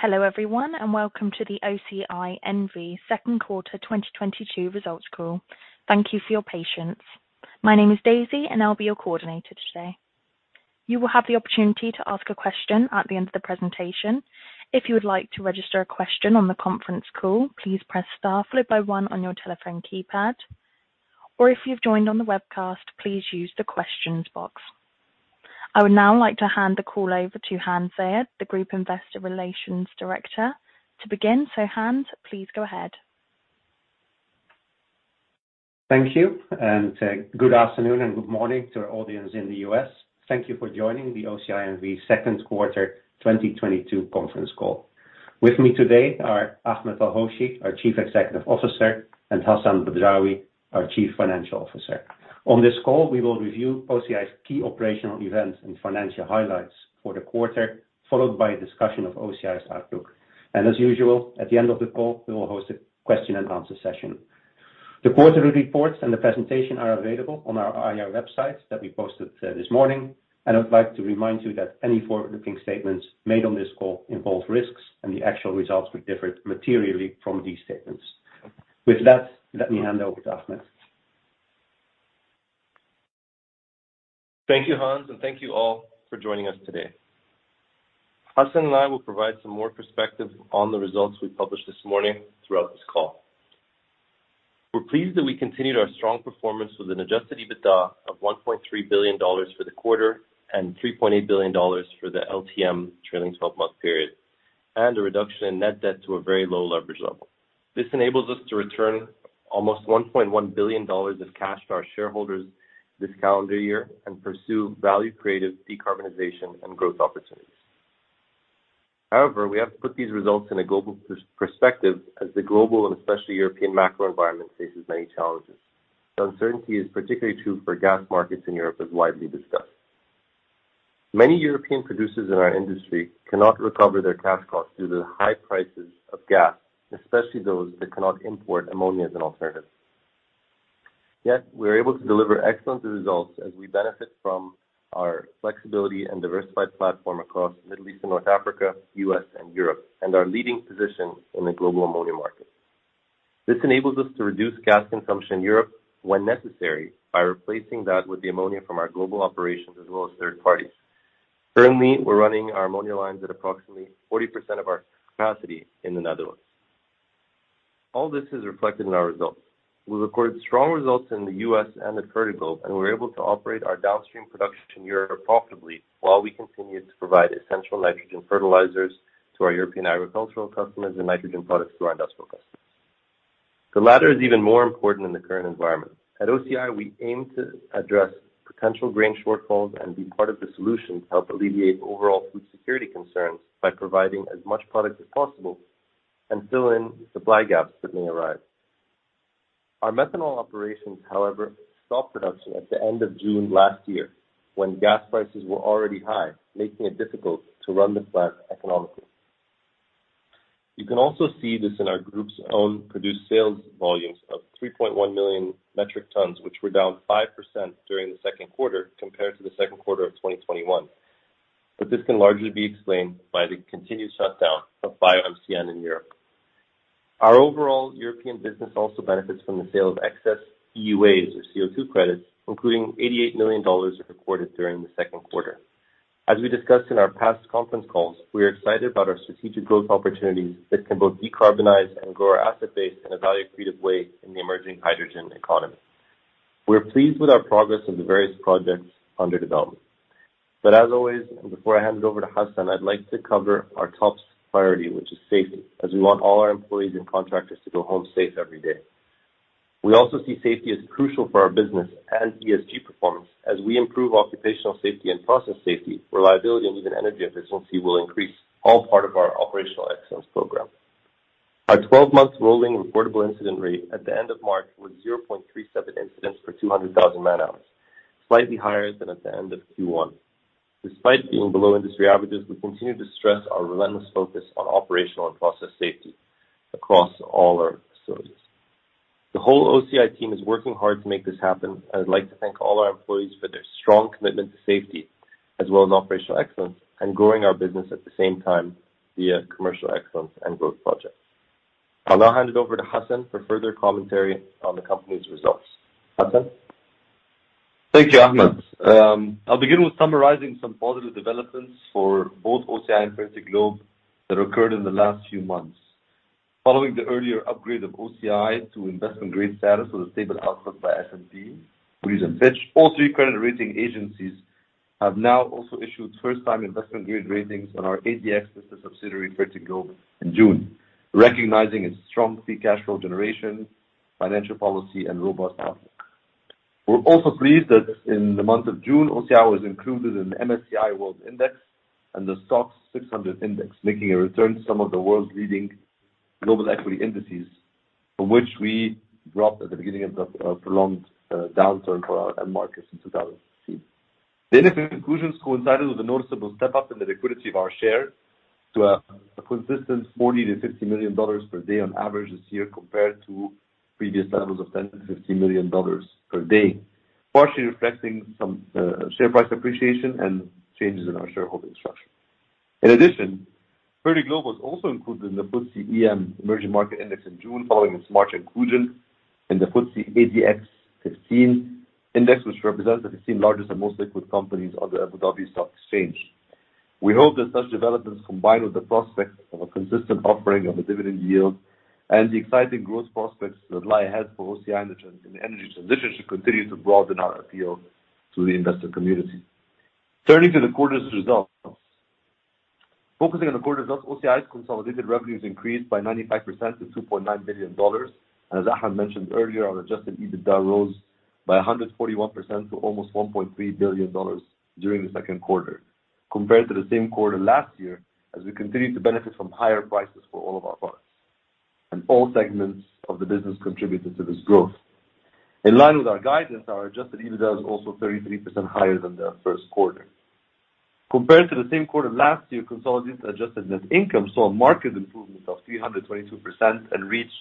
Hello, everyone, and welcome to the OCI N.V. Second Quarter 2022 Results Call. Thank you for your patience. My name is Daisy, and I'll be your coordinator today. You will have the opportunity to ask a question at the end of the presentation. If you would like to register a question on the conference call, please press star followed by one on your telephone keypad, or if you've joined on the webcast, please use the questions box. I would now like to hand the call over to Hans Zayed, the Group Investor Relations Director to begin. Hans, please go ahead. Thank you. Good afternoon and good morning to our audience in the U.S. Thank you for joining the OCI N.V. Second Quarter 2022 Conference Call. With me today are Ahmed El-Hoshy, our Chief Executive Officer, and Hassan Badrawi, our Chief Financial Officer. On this call, we will review OCI's key operational events and financial highlights for the quarter, followed by a discussion of OCI's outlook. As usual, at the end of the call, we will host a question-and-answer session. The quarterly reports and the presentation are available on our IR website that we posted this morning. I would like to remind you that any forward-looking statements made on this call involve risks, and the actual results could differ materially from these statements. With that, let me hand over to Ahmed. Thank you, Hans, and thank you all for joining us today. Hassan and I will provide some more perspective on the results we published this morning throughout this call. We're pleased that we continued our strong performance with an Adjusted EBITDA of $1.3 billion for the quarter and $3.8 billion for the LTM trailing 12-month period, and a reduction in net debt to a very low leverage level. This enables us to return almost $1.1 billion of cash to our shareholders this calendar year and pursue value-creating decarbonization and growth opportunities. However, we have to put these results in a global perspective, as the global and especially European macro environment faces many challenges. The uncertainty is particularly true for gas markets in Europe, as widely discussed. Many European producers in our industry cannot recover their cash costs due to the high prices of gas, especially those that cannot import ammonia as an alternative. Yet we're able to deliver excellent results as we benefit from our flexibility and diversified platform across Middle East and North Africa, U.S. and Europe, and our leading position in the global ammonia market. This enables us to reduce gas consumption in Europe when necessary by replacing that with the ammonia from our global operations as well as third parties. Currently, we're running our ammonia lines at approximately 40% of our capacity in the Netherlands. All this is reflected in our results. We recorded strong results in the U.S. and at Fertiglobe, and we're able to operate our downstream production in Europe profitably while we continue to provide essential nitrogen fertilizers to our European agricultural customers and nitrogen products to our industrial customers. The latter is even more important in the current environment. At OCI, we aim to address potential grain shortfalls and be part of the solution to help alleviate overall food security concerns by providing as much product as possible and fill in supply gaps that may arise. Our methanol operations, however, stopped production at the end of June last year, when gas prices were already high, making it difficult to run the plant economically. You can also see this in our group's own produced sales volumes of 3.1 million metric tons, which were down 5% during the second quarter compared to the second quarter of 2021. This can largely be explained by the continued shutdown of BioMCN in Europe. Our overall European business also benefits from the sale of excess EUAs or CO2 credits, including $88 million recorded during the second quarter. As we discussed in our past conference calls, we are excited about our strategic growth opportunities that can both decarbonize and grow our asset base in a value-creative way in the emerging hydrogen economy. We're pleased with our progress on the various projects under development. As always, and before I hand it over to Hassan, I'd like to cover our top priority, which is safety, as we want all our employees and contractors to go home safe every day. We also see safety as crucial for our business and ESG performance. As we improve occupational safety and process safety, reliability, and even energy efficiency will increase, all part of our operational excellence program. Our 12-month rolling reportable incident rate at the end of March was 0.37 incidents per 200,000 man-hours, slightly higher than at the end of Q1. Despite being below industry averages, we continue to stress our relentless focus on operational and process safety across all our facilities. The whole OCI team is working hard to make this happen, and I'd like to thank all our employees for their strong commitment to safety as well as operational excellence and growing our business at the same time via commercial excellence and growth projects. I'll now hand it over to Hassan for further commentary on the company's results. Hassan? Thank you, Ahmed. I'll begin with summarizing some positive developments for both OCI and Fertiglobe that occurred in the last few months. Following the earlier upgrade of OCI to investment-grade status with a stable outlook by S&P, which is a Fitch, all three credit rating agencies have now also issued first-time investment-grade ratings on our ADX, which is a subsidiary of Fertiglobe in June, recognizing its strong free cash flow generation, financial policy and robust outlook. We're also pleased that in the month of June, OCI was included in the MSCI World Index and the STOXX Europe 600 Index, making a return to some of the world's leading global equity indices, from which we dropped at the beginning of the prolonged downturn for our end markets in 2016. The inclusion coincided with a noticeable step-up in the liquidity of our shares to a consistent $40 million-$50 million per day on average this year, compared to previous levels of $10 million-$15 million per day. Partially reflecting some share price appreciation and changes in our shareholding structure. In addition, Fertiglobe was also included in the FTSE Emerging Markets Index in June, following its March inclusion in the FTSE ADX 15 Index, which represents the 15 largest and most liquid companies on the Abu Dhabi Securities Exchange. We hope that such developments, combined with the prospect of a consistent offering of a dividend yield and the exciting growth prospects that lie ahead for OCI and the transition in the energy transition, should continue to broaden our appeal to the investor community. Turning to the quarter's results. Focusing on the quarter results, OCI's consolidated revenues increased by 95% to $2.9 billion. As Ahmed mentioned earlier, our Adjusted EBITDA rose by 141% to almost $1.3 billion during the second quarter compared to the same quarter last year as we continue to benefit from higher prices for all of our products. All segments of the business contributed to this growth. In line with our guidance, our Adjusted EBITDA is also 33% higher than the first quarter. Compared to the same quarter last year, consolidated adjusted net income saw a marked improvement of 322% and reached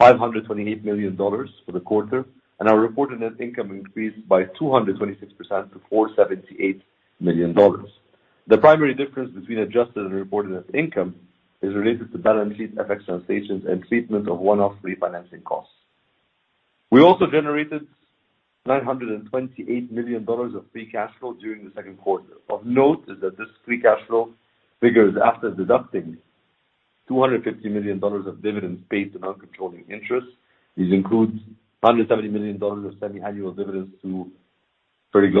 $528 million for the quarter, and our reported net income increased by 226% to $478 million. The primary difference between adjusted and reported net income is related to balance sheet FX translations and treatment of one-off refinancing costs. We also generated $928 million of free cash flow during the second quarter. Of note is that this free cash flow figure is after deducting $250 million of dividends paid to non-controlling interests. These include $170 million of semi-annual dividends to 30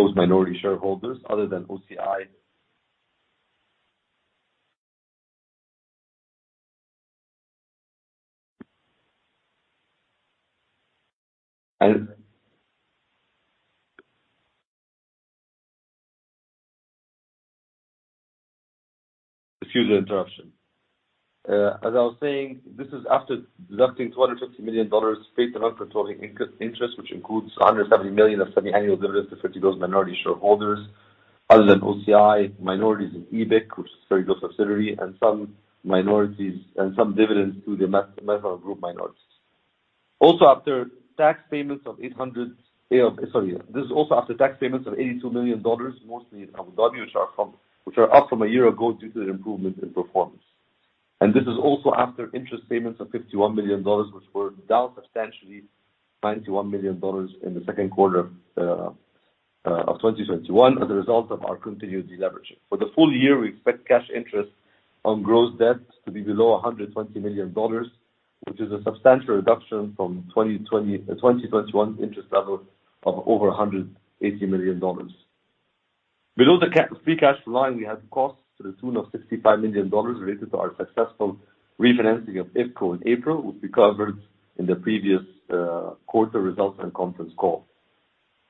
global minority shareholders other than OCI, minorities in EBIC, which is a very close subsidiary, and some dividends to the methanol group minorities. Also after tax payments of $800- Sorry. This is also after tax payments of $82 million, mostly in Abu Dhabi, which are up from a year ago due to the improvement in performance. This is also after interest payments of $51 million, which were down substantially from $91 million in the second quarter of 2021 as a result of our continued deleveraging. For the full year, we expect cash interest on gross debt to be below $120 million, which is a substantial reduction from 2021 interest level of over $180 million. Below the free cash flow line, we had costs to the tune of $65 million related to our successful refinancing of IFCO in April, which we covered in the previous quarter results and conference call.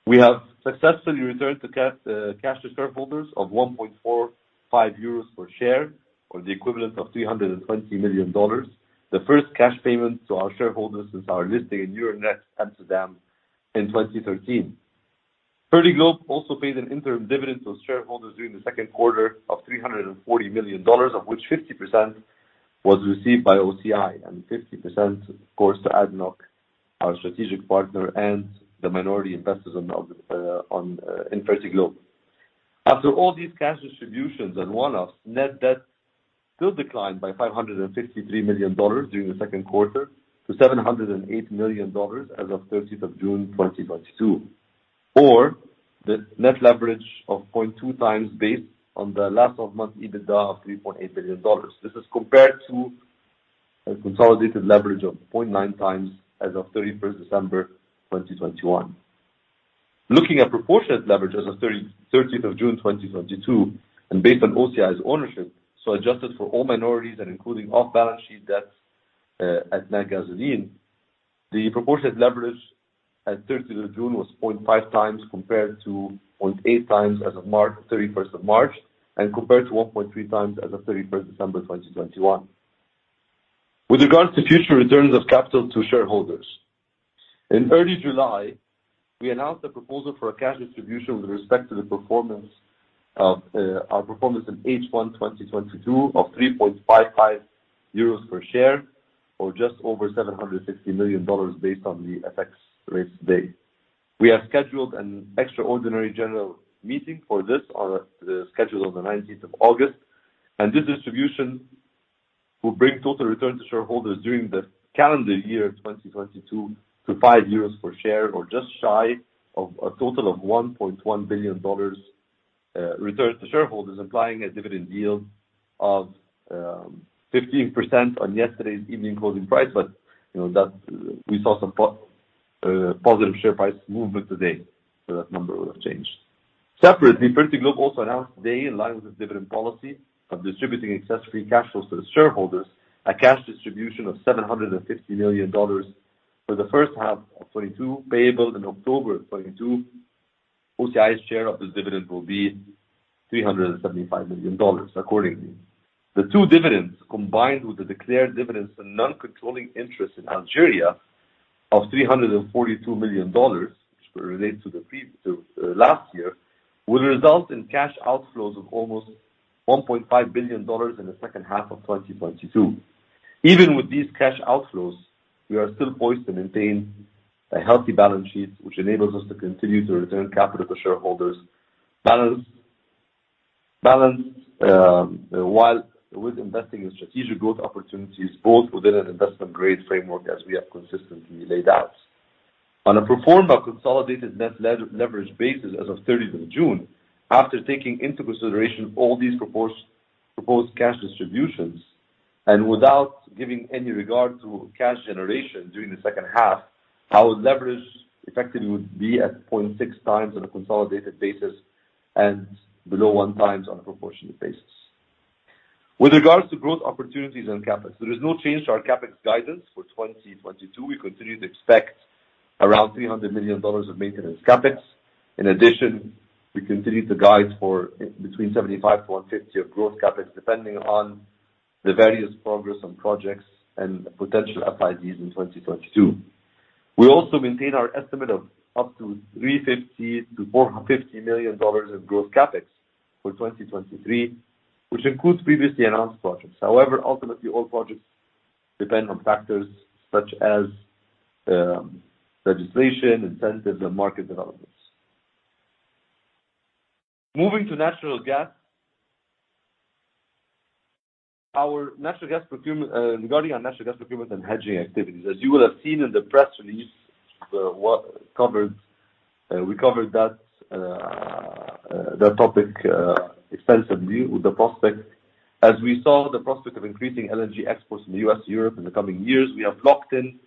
We have successfully returned cash to shareholders of 1.45 euros per share, or the equivalent of $320 million, the first cash payment to our shareholders since our listing in Euronext Amsterdam in 2013. Fertiglobe also paid an interim dividend to shareholders during the second quarter of $340 million, of which 50% was received by OCI and 50%, of course, to ADNOC, our strategic partner and the minority investors in Fertiglobe. After all these cash distributions and one-offs, net debt still declined by $553 million during the second quarter to $708 million as of 30th of June 2022. The net leverage of 0.2x based on the LTM EBITDA of $3.8 billion. This is compared to a consolidated leverage of 0.9x as of 31st December 2021. Looking at proportionate leverage as of 30th June 2022 and based on OCI's ownership, so adjusted for all minorities and including off-balance sheet debts, at Natgasoline, the proportionate leverage at 30th June was 0.5x compared to 0.8x as of 31st March, and compared to 1.3x as of 31st December 2021. With regards to future returns of capital to shareholders, in early July, we announced a proposal for a cash distribution with respect to the performance of, our performance in H1 2022 of 3.55 euros per share, or just over $760 million based on the FX rates today. We have scheduled an extraordinary general meeting for this on the 19th of August. This distribution will bring total return to shareholders during the calendar year 2022 to 5 euros per share or just shy of a total of $1.1 billion return to shareholders, implying a dividend yield of 15% on yesterday's evening closing price. You know, we saw some positive share price movement today, so that number will have changed. Separately, Fertiglobe also announced today in line with its dividend policy of distributing excess free cash flows to the shareholders, a cash distribution of $750 million for the first half of 2022, payable in October 2022. OCI's share of this dividend will be $375 million accordingly. The two dividends, combined with the declared dividends and non-controlling interests in Algeria of $342 million, which relates to last year, will result in cash outflows of almost $1.5 billion in the second half of 2022. Even with these cash outflows, we are still poised to maintain a healthy balance sheet, which enables us to continue to return capital to shareholders while investing in strategic growth opportunities both within an investment grade framework as we have consistently laid out. On a pro forma consolidated net leverage basis as of the 30th of June, after taking into consideration all these proposed cash distributions and without giving any regard to cash generation during the second half, our leverage effectively would be at 0.6x on a consolidated basis and below 1x on a proportionate basis. With regards to growth opportunities and CapEx, there is no change to our CapEx guidance for 2022. We continue to expect around $300 million of maintenance CapEx. In addition, we continue to guide for between $75 million-$150 million of growth CapEx, depending on the various progress on projects and potential FIDs in 2022. We also maintain our estimate of up to $350 million-$450 million of growth CapEx for 2023, which includes previously announced projects. However, ultimately, all projects depend on factors such as legislation, incentives, and market developments. Moving to natural gas. Regarding our natural gas procurement and hedging activities, as you will have seen in the press release, we covered that topic extensively with the prospectus. As we saw the prospect of increasing LNG exports in the U.S. to Europe in the coming years, we have locked in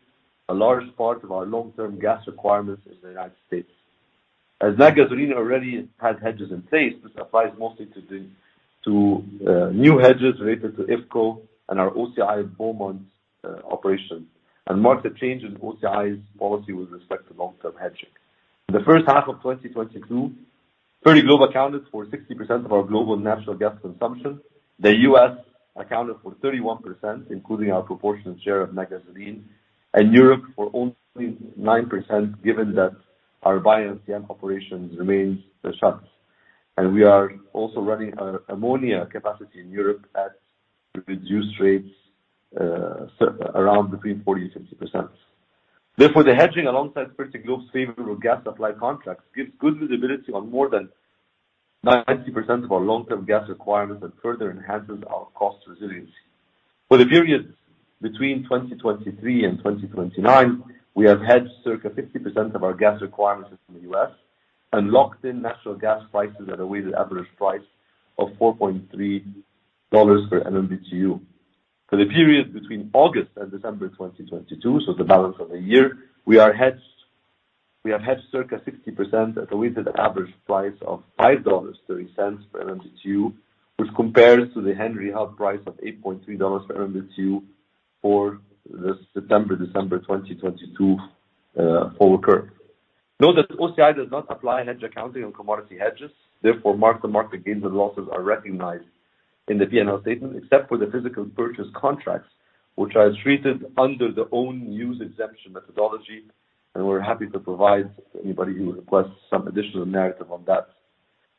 a large part of our long-term gas requirements in the United States. As Natgasoline already has hedges in place, this applies mostly to the new hedges related to IFCO and our OCI Beaumont operation, and mark the change in OCI's policy with respect to long-term hedging. In the first half of 2022, Fertiglobe accounted for 60% of our global natural gas consumption. The U.S. accounted for 31%, including our proportionate share of Natgasoline, and Europe for only 9%, given that our BioMCN operations remains shut. We are also running our ammonia capacity in Europe at reduced rates around between 40%-60%. Therefore, the hedging alongside Fertiglobe's favorable gas supply contracts gives good visibility on more than 90% of our long-term gas requirements and further enhances our cost resilience. For the period between 2023 and 2029, we have hedged circa 50% of our gas requirements from the U.S. and locked in natural gas prices at a weighted average price of $4.3 per MMBtu. For the period between August and December 2022, so the balance of the year, we are hedged, we have hedged circa 60% at a weighted average price of $5.30 per MMBtu, which compares to the Henry Hub price of $8.3 per MMBtu for the September-December 2022 forward curve. Note that OCI does not apply hedge accounting on commodity hedges, therefore, mark-to-market gains and losses are recognized in the P&L statement, except for the physical purchase contracts, which are treated under the own use exemption methodology, and we're happy to provide anybody who requests some additional narrative on that.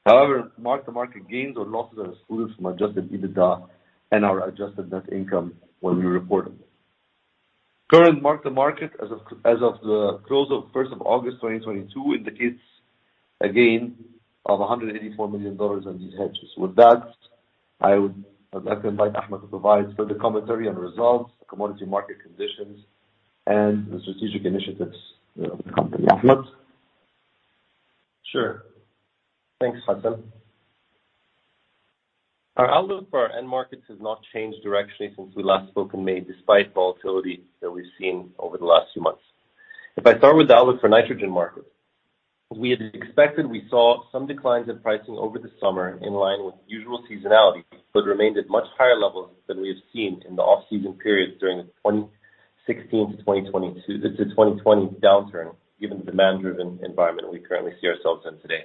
However, mark-to-market gains or losses are excluded from Adjusted EBITDA and our adjusted net income when we report them. Current mark-to-market as of the close of August 2022 indicates a gain of $184 million on these hedges. With that, I would like to invite Ahmed to provide further commentary on results, commodity market conditions, and the strategic initiatives of the company. Ahmed. Sure. Thanks, Hassan. Our outlook for our end markets has not changed directionally since we last spoke in May, despite volatility that we've seen over the last few months. If I start with the outlook for nitrogen markets, we had expected we saw some declines in pricing over the summer in line with usual seasonality, but remained at much higher levels than we have seen in the off-season periods during the 2016 to 2022 to 2020 downturn, given the demand-driven environment we currently see ourselves in today.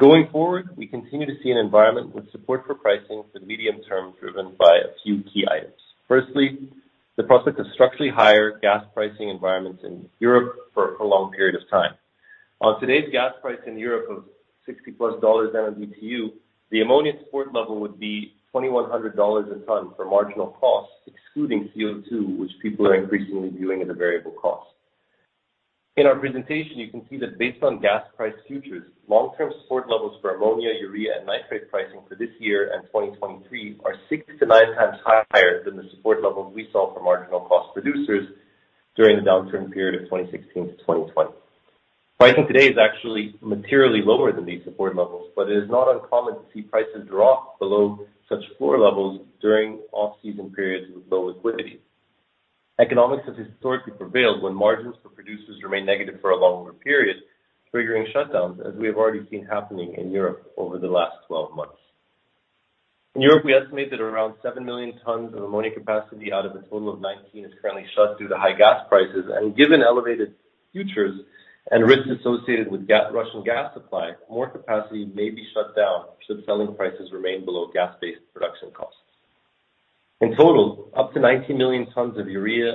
Going forward, we continue to see an environment with support for pricing for the medium term, driven by a few key items. Firstly, the prospect of structurally higher gas pricing environments in Europe for a prolonged period of time. On today's gas price in Europe of $60+/MMBtu, the ammonia support level would be $2,100/ton for marginal costs, excluding CO2, which people are increasingly viewing as a variable cost. In our presentation, you can see that based on gas price futures, long-term support levels for ammonia, urea, and nitrate pricing for this year and 2023 are 6x-9x higher than the support levels we saw for marginal cost producers during the downturn period of 2016-2020. Pricing today is actually materially lower than these support levels, but it is not uncommon to see prices drop below such floor levels during off-season periods with low liquidity. Economics has historically prevailed when margins for producers remain negative for a longer period, triggering shutdowns, as we have already seen happening in Europe over the last 12 months. In Europe, we estimate that around 7 million tons of ammonia capacity out of a total of 19 is currently shut due to high gas prices. Given elevated futures and risks associated with Russian gas supply, more capacity may be shut down should selling prices remain below gas-based production costs. In total, up to 19 million tons of European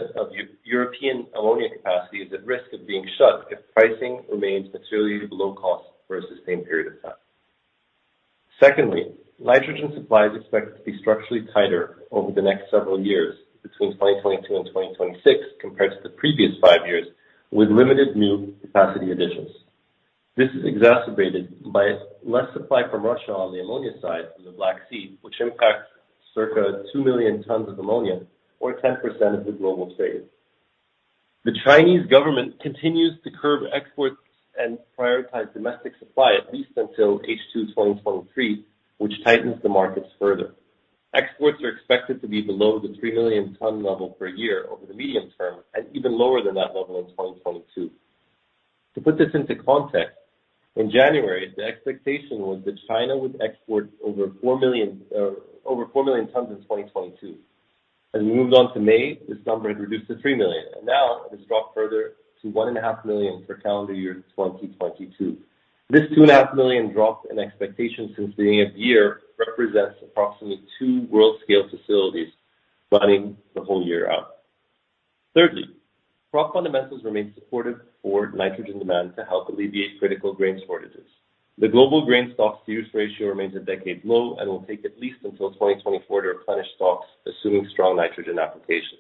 ammonia capacity is at risk of being shut if pricing remains materially below cost for a sustained period of time. Secondly, nitrogen supply is expected to be structurally tighter over the next several years between 2022 and 2026 compared to the previous five years, with limited new capacity additions. This is exacerbated by less supply from Russia on the ammonia side from the Black Sea, which impacts circa 2 million tons of ammonia, or 10% of the global trade. The Chinese government continues to curb exports and prioritize domestic supply at least until H2 2023, which tightens the markets further. Exports are expected to be below the 3 million ton level per year over the medium term and even lower than that level in 2022. To put this into context, in January, the expectation was that China would export over 4 million tons in 2022. As we moved on to May, this number had reduced to 3 million, and now it has dropped further to 1.5 million for calendar year 2022. This 2.5 million drop in expectations since the beginning of the year represents approximately two world-scale facilities running the whole year out. Thirdly, crop fundamentals remain supportive for nitrogen demand to help alleviate critical grain shortages. The global grain stock-to-use ratio remains a decade low and will take at least until 2024 to replenish stocks, assuming strong nitrogen application.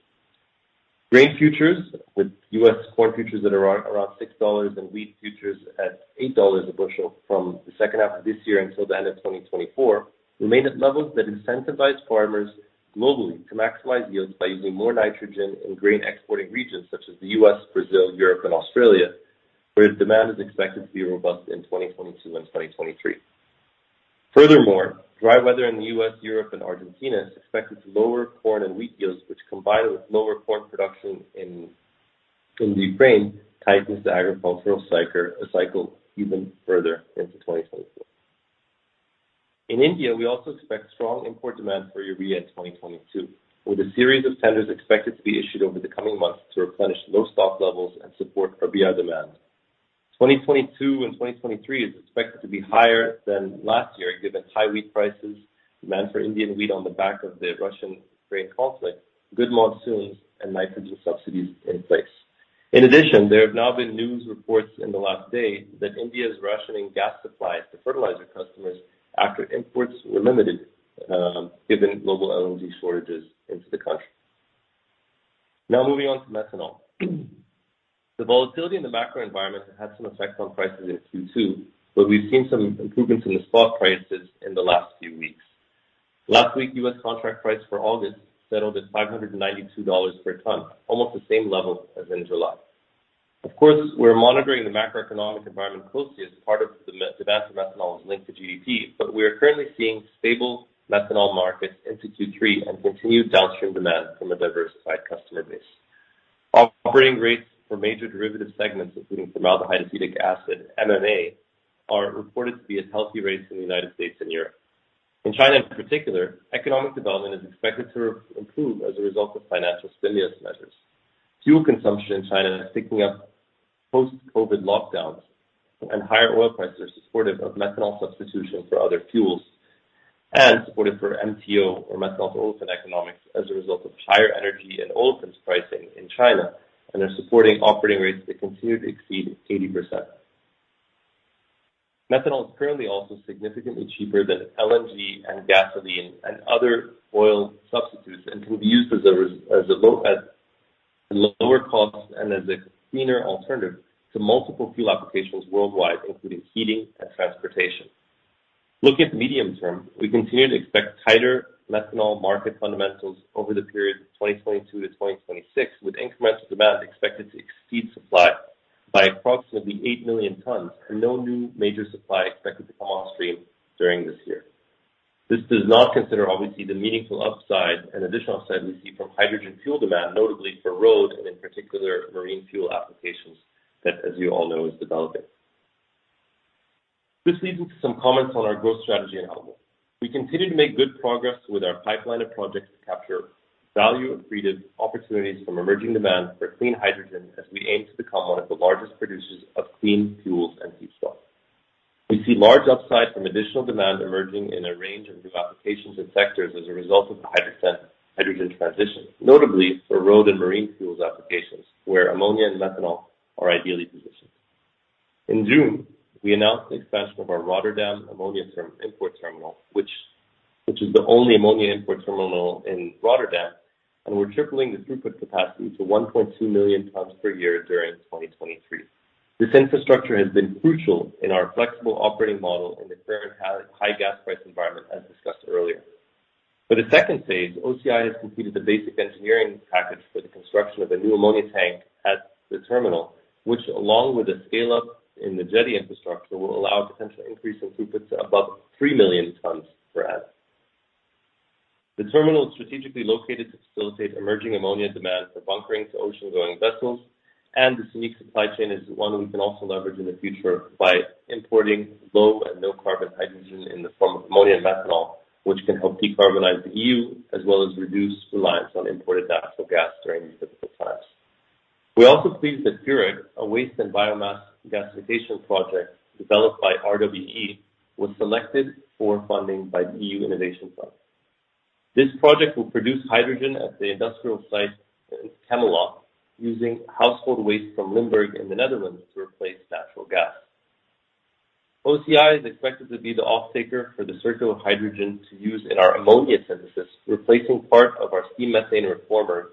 Grain futures, with U.S. corn futures that are around $6 and wheat futures at $8 a bushel from the second half of this year until the end of 2024, remain at levels that incentivize farmers globally to maximize yields by using more nitrogen in grain exporting regions such as the U.S., Brazil, Europe and Australia, where demand is expected to be robust in 2022 and 2023. Furthermore, dry weather in the U.S., Europe and Argentina is expected to lower corn and wheat yields, which combined with lower corn production in Ukraine, tightens the agricultural cycle even further into 2024. In India, we also expect strong import demand for Urea in 2022, with a series of tenders expected to be issued over the coming months to replenish low stock levels and support Urea demand. 2022 and 2023 is expected to be higher than last year, given high wheat prices, demand for Indian wheat on the back of the Russian grain conflict, good monsoons and nitrogen subsidies in place. In addition, there have now been news reports in the last day that India is rationing gas supply to fertilizer customers after imports were limited, given global LNG shortages into the country. Now moving on to methanol. The volatility in the macro environment has some effect on prices in Q2, but we've seen some improvements in the spot prices in the last few weeks. Last week, U.S. contract price for August settled at $592 per ton, almost the same level as in July. Of course, we're monitoring the macroeconomic environment closely as part of the end-demand for methanol is linked to GDP, but we are currently seeing stable methanol markets into Q3 and continued downstream demand from a diversified customer base. Operating rates for major derivative segments, including formaldehyde, acetic acid, MMA, are reported to be at healthy rates in the United States and Europe. In China, in particular, economic development is expected to improve as a result of financial stimulus measures. Fuel consumption in China is picking up post-COVID lockdowns, and higher oil prices are supportive of methanol substitution for other fuels. Supportive for MTO or methanol olefins economics as a result of higher energy and olefins pricing in China, and they're supporting operating rates that continue to exceed 80%. Methanol is currently also significantly cheaper than LNG and gasoline and other oil substitutes, and can be used as lower cost and as a cleaner alternative to multiple fuel applications worldwide, including heating and transportation. Looking at the medium term, we continue to expect tighter methanol market fundamentals over the period of 2022-2026, with incremental demand expected to exceed supply by approximately 8 million tons and no new major supply expected to come on stream during this year. This does not consider, obviously, the meaningful upside and additional upside we see from hydrogen fuel demand, notably for road and in particular marine fuel applications, that as you all know, is developing. This leads into some comments on our growth strategy in Alabama. We continue to make good progress with our pipeline of projects to capture value accreted opportunities from emerging demand for clean hydrogen as we aim to become one of the largest producers of clean fuels and feedstock. We see large upside from additional demand emerging in a range of new applications and sectors as a result of the hydrogen transition, notably for road and marine fuels applications where ammonia and methanol are ideally positioned. In June, we announced the expansion of our Rotterdam Ammonia Term-Import Terminal, which is the only ammonia import terminal in Rotterdam, and we're tripling the throughput capacity to 1.2 million tons per year during 2023. This infrastructure has been crucial in our flexible operating model in the current high gas price environment, as discussed earlier. For the second phase, OCI has completed the basic engineering package for the construction of a new ammonia tank at the terminal, which, along with the scale-up in the jetty infrastructure, will allow a potential increase in throughput to above 3 million tons per annum. The terminal is strategically located to facilitate emerging ammonia demand for bunkering to ocean-going vessels, and this unique supply chain is one we can also leverage in the future by importing low and no carbon hydrogen in the form of ammonia methanol, which can help decarbonize the EU as well as reduce reliance on imported natural gas during these difficult times. We're also pleased that Furec, a waste and biomass gasification project developed by RWE, was selected for funding by the EU Innovation Fund. This project will produce hydrogen at the industrial site in Chemelot, using household waste from Limburg in the Netherlands to replace natural gas. OCI is expected to be the offtaker for the circular hydrogen to use in our ammonia synthesis, replacing part of our steam methane reformer.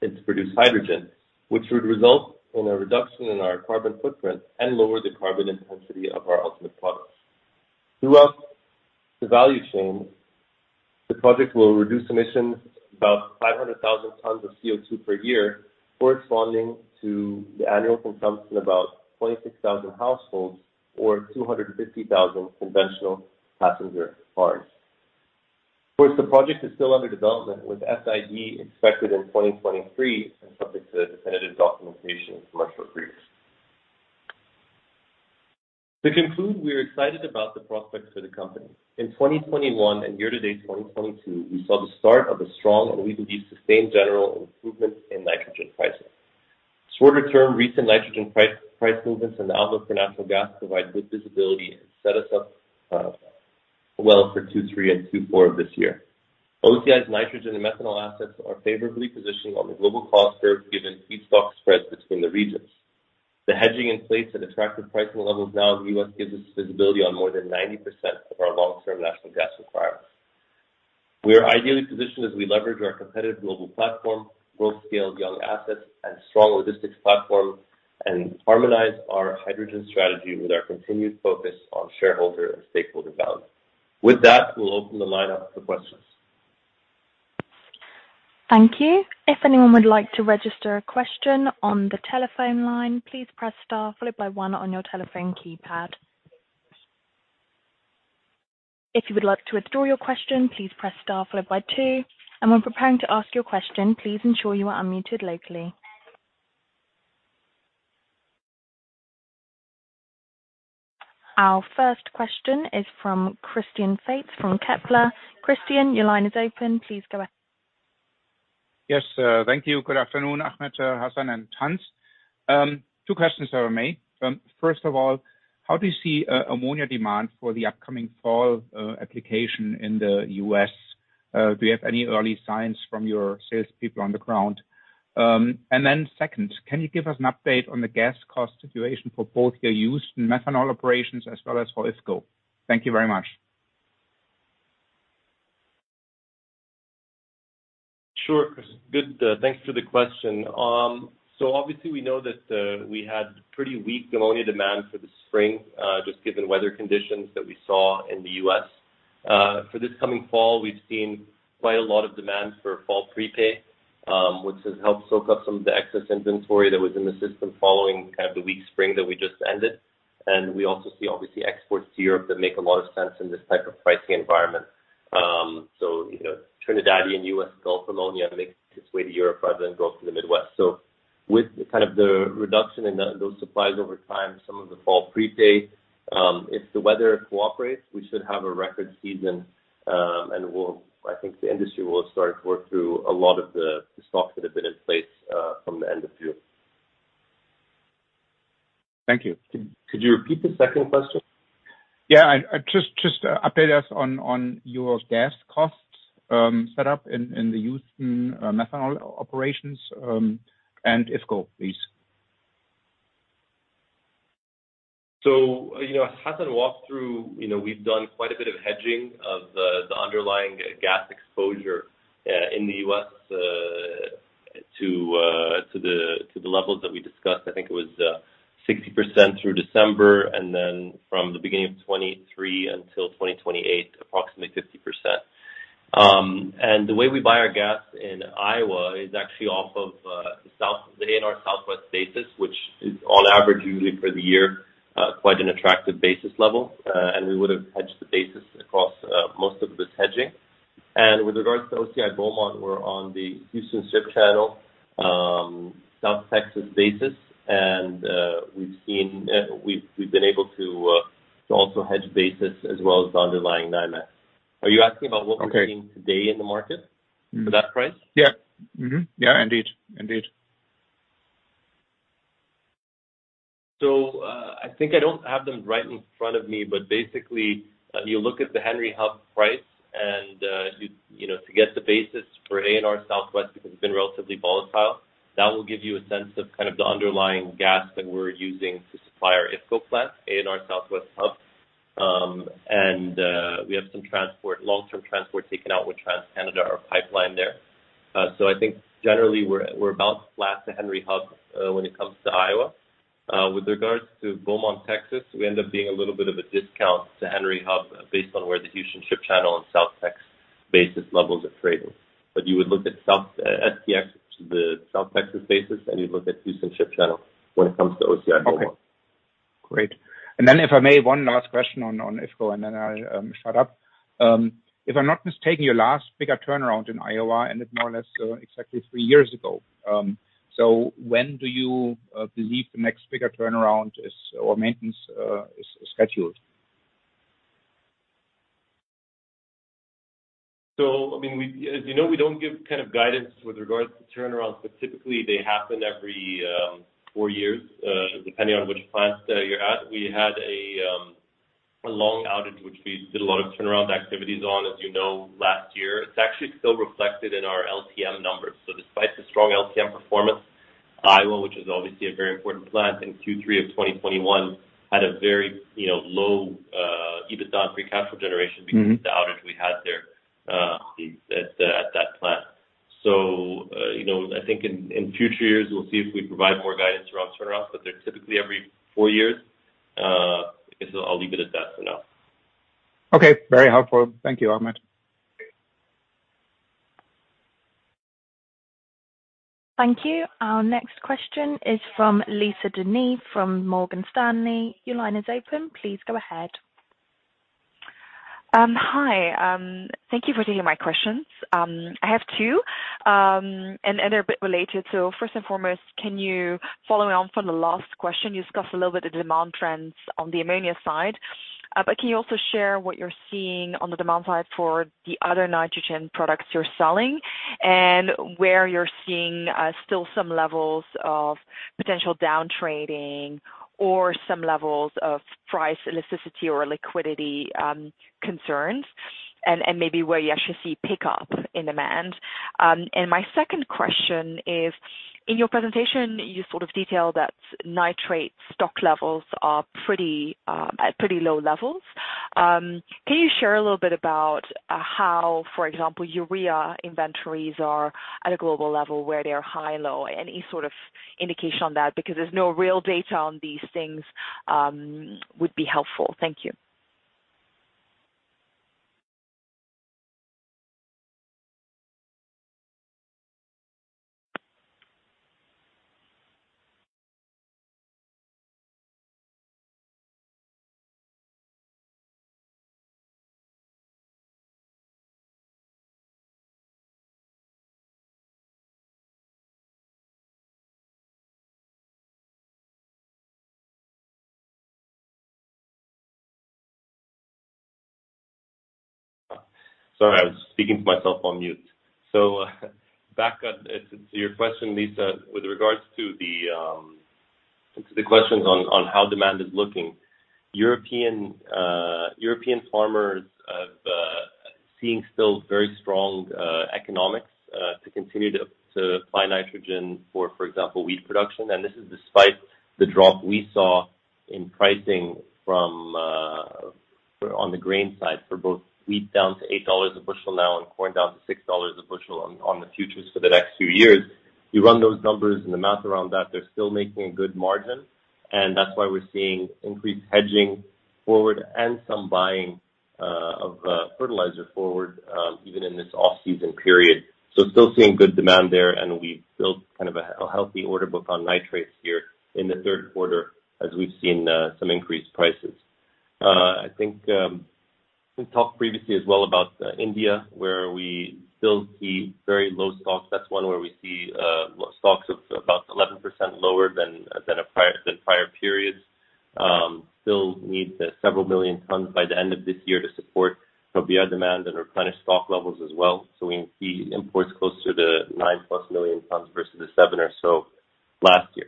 It's produced hydrogen, which would result in a reduction in our carbon footprint and lower the carbon intensity of our ultimate products. Throughout the value chain, the project will reduce emissions about 500,000 tons of CO2 per year, corresponding to the annual consumption about 26,000 households or 250,000 conventional passenger cars. Of course, the project is still under development, with FID expected in 2023 and subject to definitive documentation in commercial briefs. To conclude, we are excited about the prospects for the company. In 2021 and year-to-date 2022, we saw the start of a strong and we believe, sustained general improvement in nitrogen pricing. Shorter-term recent nitrogen price movements and the outlook for natural gas provide good visibility and set us up well for Q3 and Q4 this year. OCI's nitrogen and methanol assets are favorably positioned on the global cost curve given feedstock spreads between the regions. The hedging in place at attractive pricing levels now in the U.S. gives us visibility on more than 90% of our long-term natural gas requirements. We are ideally positioned as we leverage our competitive global platform, world-scale young assets, and strong logistics platform, and harmonize our hydrogen strategy with our continued focus on shareholder and stakeholder value. With that, we'll open the line up for questions. Thank you. If anyone would like to register a question on the telephone line, please press star followed by one on your telephone keypad. If you would like to withdraw your question, please press star followed by two. When preparing to ask your question, please ensure you are unmuted locally. Our first question is from Christian Faitz from Kepler. Christian, your line is open. Please go ahead. Yes, thank you. Good afternoon, Ahmed, Hassan, and Hans. Two questions that were made. First of all, how do you see ammonia demand for the upcoming fall application in the U.S.? Do you have any early signs from your salespeople on the ground? Then second, can you give us an update on the gas cost situation for both your Houston methanol operations as well as for IFCO? Thank you very much. Sure, Chris. Good. Thanks for the question. Obviously we know that we had pretty weak ammonia demand for the spring just given weather conditions that we saw in the U.S. For this coming fall, we've seen quite a lot of demand for fall prepay, which has helped soak up some of the excess inventory that was in the system following kind of the weak spring that we just ended. We also see obviously exports to Europe that make a lot of sense in this type of pricing environment. You know, Trinidadian U.S. Gulf ammonia makes its way to Europe rather than go through the Midwest. With kind of the reduction in those supplies over time, some of the fall prepay, if the weather cooperates, we should have a record season, and we'll. I think the industry will start to work through a lot of the stocks that have been in place from the end of June. Thank you. Could you repeat the second question? Yeah. Just update us on your gas costs set up in the Houston methanol operations and IFCO please. You know, Hassan walked through you know, we've done quite a bit of hedging of the underlying gas exposure in the U.S. to the levels that we discussed. I think it was 60% through December, and then from the beginning of 2023 until 2028, approximately 50%. The way we buy our gas in Iowa is actually off of the ANR Southwest basis, which is on average usually for the year quite an attractive basis level. We would have hedged the basis across most of this hedging. With regards to OCI Beaumont, we're on the Houston Ship Channel, South Texas basis. We've been able to also hedge basis as well as the underlying dynamics. Are you asking about what we're seeing? Okay. Today in the market for that price? Yeah. Yeah, indeed. Indeed. I think I don't have them right in front of me, but basically, you look at the Henry Hub price and you know, to get the basis for ANR Southwest, because it's been relatively volatile, that will give you a sense of kind of the underlying gas that we're using to supply our IFCO plant, ANR Southwest Hub. We have some transport, long-term transport taken out with TC Energy, our pipeline there. I think generally we're about flat to Henry Hub when it comes to Iowa. With regards to Beaumont, Texas, we end up being a little bit of a discount to Henry Hub based on where the Houston Ship Channel and South Texas basis levels are trading. You would look at South TX, the South Texas basis, and you'd look at Houston Ship Channel when it comes to OCI Beaumont. Okay. Great. If I may, one last question on IFCO, and then I'll shut up. If I'm not mistaken, your last bigger turnaround in Iowa ended more or less exactly three years ago. When do you believe the next bigger turnaround is or maintenance is scheduled? I mean, as you know, we don't give kind of guidance with regards to turnarounds. Typically, they happen every four years, depending on which plant you're at. We had a long outage, which we did a lot of turnaround activities on, as you know, last year. It's actually still reflected in our LTM numbers. Despite the strong LTM performance, Iowa, which is obviously a very important plant in Q3 of 2021, had a very, you know, low EBITDA free cash flow generation. Mm-hmm. Because of the outage we had there at that plant. You know, I think in future years, we'll see if we provide more guidance around turnarounds, but they're typically every four years. I guess I'll leave it at that for now. Okay. Very helpful. Thank you, Ahmed. Okay. Thank you. Our next question is from Lisa De Neve, from Morgan Stanley. Your line is open. Please go ahead. Hi. Thank you for taking my questions. I have two, and they're a bit related. First and foremost, can you follow me on from the last question? You discussed a little bit the demand trends on the ammonia side. But can you also share what you're seeing on the demand side for the other nitrogen products you're selling and where you're seeing still some levels of potential down trading or some levels of price elasticity or liquidity concerns and maybe where you actually see pickup in demand? And my second question is, in your presentation, you sort of detailed that nitrate stock levels are at pretty low levels. Can you share a little bit about how, for example, urea inventories are at a global level, high or low? Any sort of indication on that, because there's no real data on these things, would be helpful. Thank you. Sorry, I was speaking to myself on mute. Back on to your question, Lisa, with regards to the questions on how demand is looking. European farmers are seeing still very strong economics to continue to buy nitrogen for example wheat production. This is despite the drop we saw in pricing from on the grain side for both wheat down to $8 a bushel now and corn down to $6 a bushel on the futures for the next two years. You run those numbers and the math around that, they're still making a good margin, and that's why we're seeing increased hedging forward and some buying of fertilizer forward even in this off-season period. Still seeing good demand there, and we've built kind of a healthy order book on nitrates here in the third quarter as we've seen some increased prices. I think we've talked previously as well about India, where we still see very low stocks. That's one where we see low stocks of about 11% lower than prior periods. Still need several million tons by the end of this year to support Rabi demand and replenish stock levels as well. We see imports closer to the 9+ million tons versus the 7 million tons or so last year.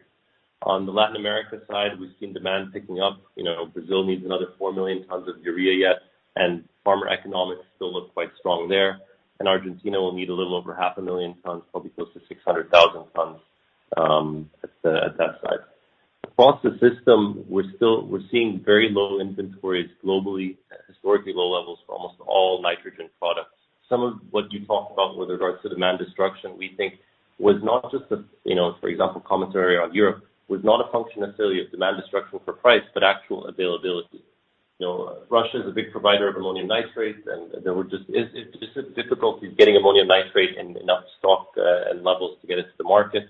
On the Latin America side, we've seen demand picking up. You know, Brazil needs another 4 million tons of urea yet, and farmer economics still look quite strong there. Argentina will need a little over 500,000 tons, probably close to 600,000 tons, at that side. Across the system, we're seeing very low inventories globally at historically low levels for almost all nitrogen products. Some of what you talked about with regards to demand destruction, we think was not just a, you know, for example, commentary on Europe, was not a function necessarily of demand destruction for price, but actual availability. You know, Russia is a big provider of ammonium nitrate, and there were just. It is just difficult to get ammonium nitrate in enough stock and levels to get it to the market.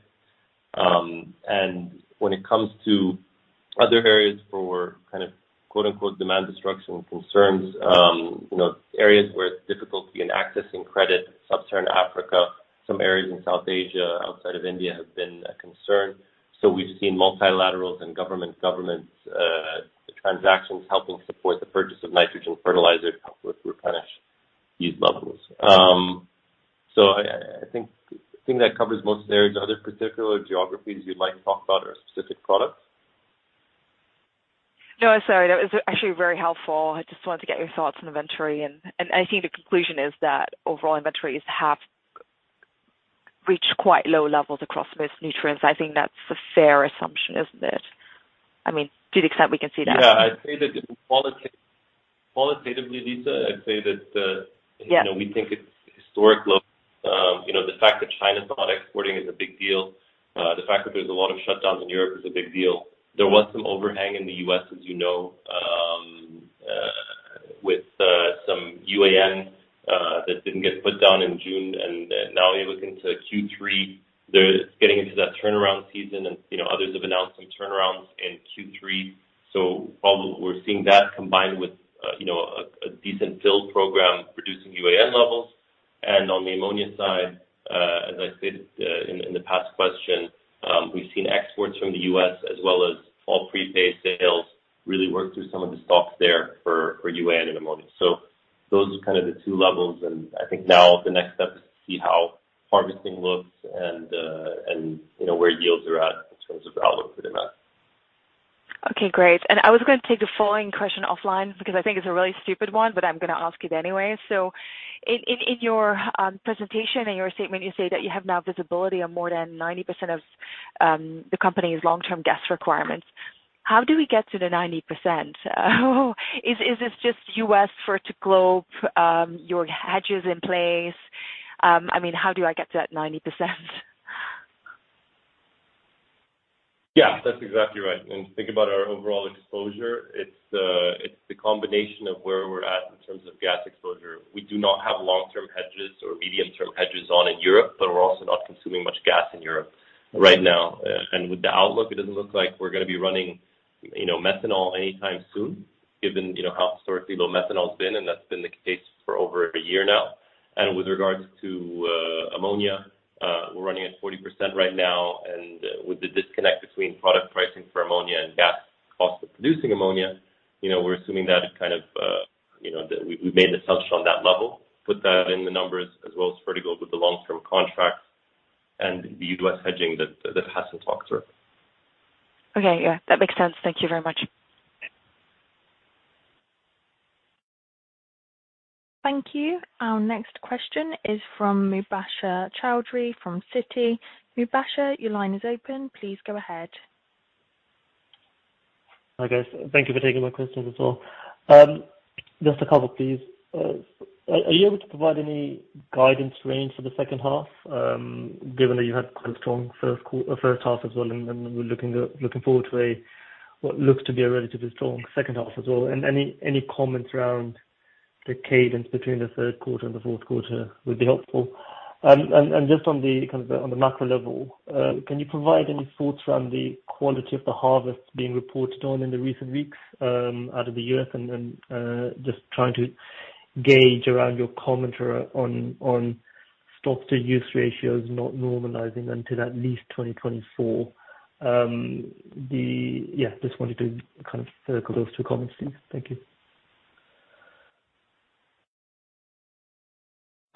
When it comes to other areas for kind of quote-unquote "demand destruction" concerns, you know, areas where it's difficult in accessing credit, Sub-Saharan Africa, some areas in South Asia outside of India have been a concern. We've seen multilaterals and governments transactions helping support the purchase of nitrogen fertilizer to help with replenish these levels. I think that covers most areas. Are there particular geographies you'd like to talk about or specific products? No, sorry. That was actually very helpful. I just wanted to get your thoughts on inventory and I think the conclusion is that overall inventories have reached quite low levels across most nutrients. I think that's a fair assumption, isn't it? I mean, to the extent we can see that. Yeah. I'd say that qualitatively, Lisa, I'd say that. Yeah. You know, we think it's historic low. You know, the fact that China's not exporting is a big deal. The fact that there's a lot of shutdowns in Europe is a big deal. There was some overhang in the U.S., as you know, with some UAN that didn't get put down in June. Now you look into Q3, they're getting into that turnaround season and, you know, others have announced some turnarounds in Q3. Probably we're seeing that combined with, you know, a decent build program, reducing UAN levels. On the ammonia side, as I said, in the past question, we've seen exports from the U.S. as well as all prepaid sales really work through some of the stocks there for UAN and ammonia. Those are kind of the two levels, and I think now the next step is to see how harvesting looks and you know, where yields are at in terms of outlook. Okay, great. I was going to take the following question offline because I think it's a really stupid one, but I'm gonna ask it anyway. In your presentation, in your statement, you say that you have now visibility on more than 90% of the company's long-term gas requirements. How do we get to the 90%? Is this just U.S. Fertiglobe, your hedges in place? I mean, how do I get to that 90%? Yeah, that's exactly right. When you think about our overall exposure, it's the combination of where we're at in terms of gas exposure. We do not have long-term hedges or medium-term hedges on in Europe, but we're also not consuming much gas in Europe right now. With the outlook, it doesn't look like we're gonna be running, you know, methanol anytime soon, given, you know, how historically low methanol has been, and that's been the case for over a year now. With regards to ammonia, we're running at 40% right now. With the disconnect between product pricing for ammonia and gas cost of producing ammonia, you know, we're assuming that it kind of, you know, that we've made assumption on that level, put that in the numbers as well as Fertiglobe with the long-term contracts and the U.S. hedging that Hassan talked through. Okay. Yeah, that makes sense. Thank you very much. Thank you. Our next question is from Mubasher Chaudhry from Citi. Mubasher, your line is open. Please go ahead. Hi, guys. Thank you for taking my questions as well. Just to cover please, are you able to provide any guidance range for the second half, given that you had quite a strong first half as well, and then we're looking forward to what looks to be a relatively strong second half as well? Any comments around the cadence between the third quarter and the fourth quarter would be helpful. Just on the macro level, can you provide any thoughts around the quality of the harvest being reported on in the recent weeks, out of the U.S.? Then, just trying to gauge around your commentary on stock-to-use ratios not normalizing until at least 2024. Yeah, just wanted to kind of circle those two comments, please. Thank you.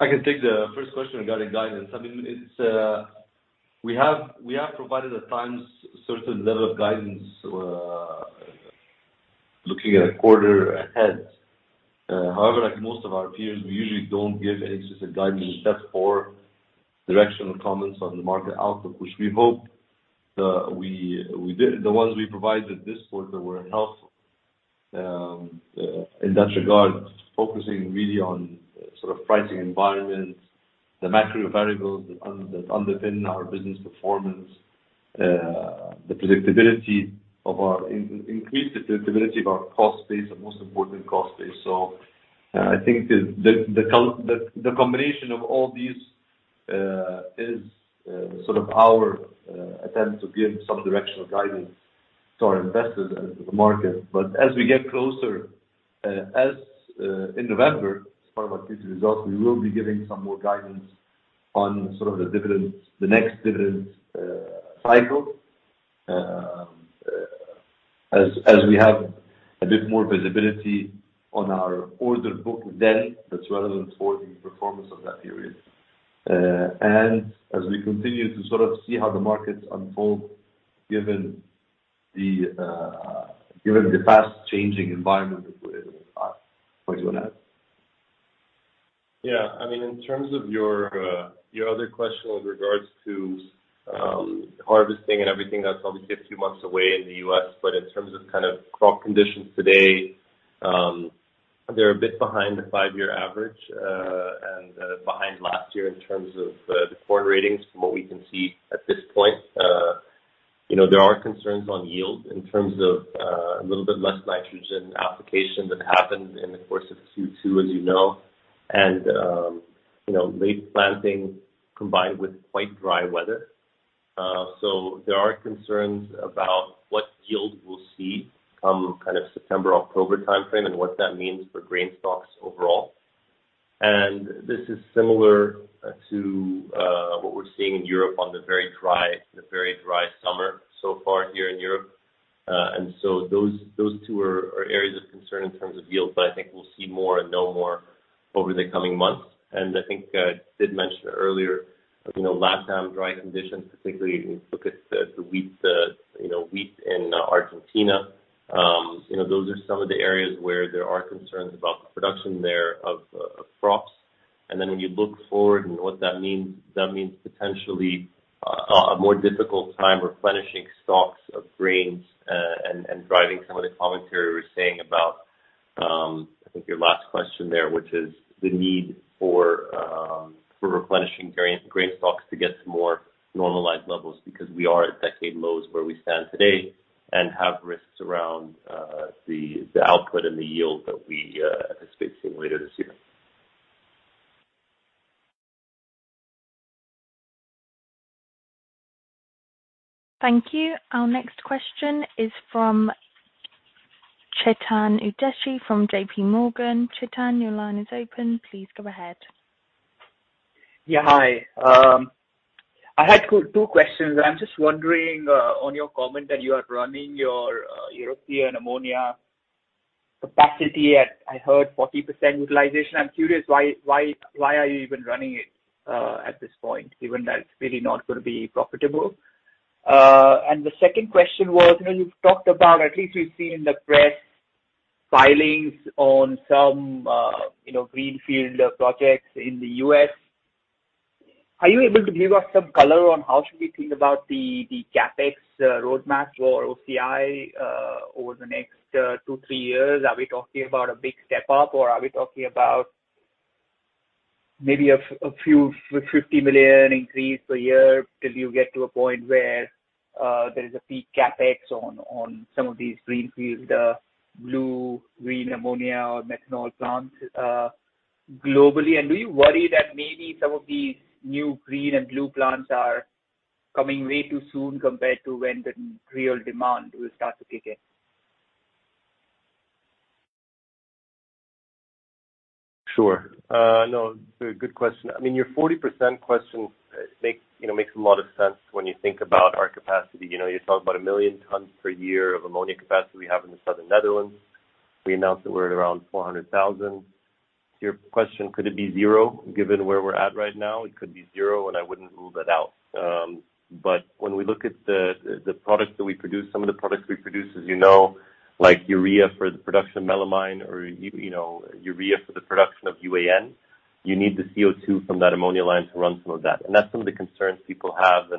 I can take the first question regarding guidance. I mean, it's. We have provided at times certain level of guidance, looking at a quarter ahead. However, like most of our peers, we usually don't give any specific guidance except for directional comments on the market outlook, which we hope we did. The ones we provided this quarter were helpful in that regard, focusing really on sort of pricing environments, the macro variables that underpin our business performance, increased predictability of our cost base and, most importantly, cost base. I think the combination of all these is sort of our attempt to give some directional guidance to our investors and to the market. As we get closer, in November as part of our future results, we will be giving some more guidance on sort of the dividends, the next dividends, cycle, as we have a bit more visibility on our order book then that's relevant for the performance of that period. As we continue to sort of see how the markets unfold given the fast changing environment that we're in. Ahmed, want to add? Yeah. I mean, in terms of your other question with regards to harvesting and everything, that's obviously a few months away in the U.S. In terms of kind of crop conditions today, they're a bit behind the five-year average and behind last year in terms of the corn ratings from what we can see at this point. You know, there are concerns on yield in terms of a little bit less nitrogen application that happened in the course of Q2, as you know, and you know, late planting combined with quite dry weather. There are concerns about what yield we'll see come kind of September, October timeframe and what that means for grain stocks overall. This is similar to what we're seeing in Europe on the very dry summer so far here in Europe. Those two are areas of concern in terms of yield, but I think we'll see more and know more over the coming months. I think I did mention earlier, you know, LatAm dry conditions, particularly if you look at the wheat in Argentina. You know, those are some of the areas where there are concerns about the production there of crops. When you look forward and what that means, that means potentially a more difficult time replenishing stocks of grains and driving some of the commentary we're saying about, I think your last question there, which is the need for replenishing grain stocks to get to more normalized levels because we are at decade lows where we stand today and have risks around the output and the yield that we anticipate seeing later this year. Thank you. Our next question is from Chetan Udeshi from JPMorgan. Chetan, your line is open. Please go ahead. Yeah. Hi. I had two questions. I'm just wondering on your comment that you are running your European ammonia capacity at, I heard 40% utilization. I'm curious why are you even running it at this point, even though it's really not gonna be profitable? The second question was, you know, you've talked about at least we've seen in the press filings on some, you know, greenfield projects in the U.S. Are you able to give us some color on how should we think about the CapEx roadmap for OCI over the next two, three years? Are we talking about a big step up, or are we talking about maybe a few $50 million increase per year till you get to a point where there is a peak CapEx on some of these greenfield blue-green ammonia or methanol plants globally? Do you worry that maybe some of these new green and blue plants are coming way too soon compared to when the real demand will start to kick in? Sure. No, very good question. I mean, your 40% question makes, you know, a lot of sense when you think about our capacity. You know, you're talking about 1 million tons per year of ammonia capacity we have in the southern Netherlands. We announced that we're at around 400,000. To your question, could it be zero given where we're at right now? It could be zero, and I wouldn't rule that out. But when we look at the products that we produce, some of the products we produce, as you know, like urea for the production of melamine or, you know, urea for the production of UAN, you need the CO2 from that ammonia line to run some of that. That's some of the concerns people have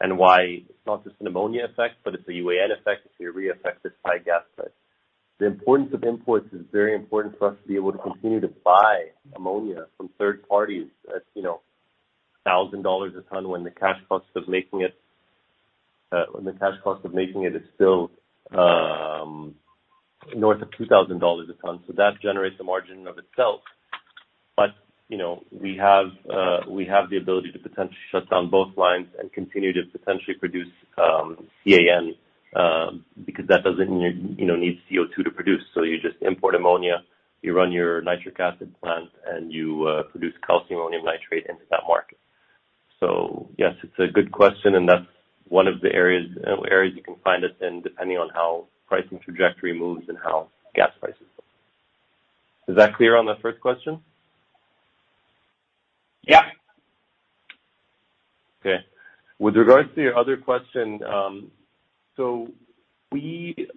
and why it's not just an ammonia effect, but it's a UAN effect, it's a urea effect, it's high gas effect. The importance of imports is very important for us to be able to continue to buy ammonia from third parties at, you know, $1,000 a ton, when the cash cost of making it is still north of $2,000 a ton. That generates the margin of itself. You know, we have the ability to potentially shut down both lines and continue to potentially produce CAN because that doesn't need CO2 to produce. You just import ammonia, you run your nitric acid plant, and you produce calcium ammonium nitrate into that market. Yes, it's a good question, and that's one of the areas you can find us in, depending on how pricing trajectory moves and how gas prices go. Is that clear on the first question? Yeah. Okay. With regards to your other question, so we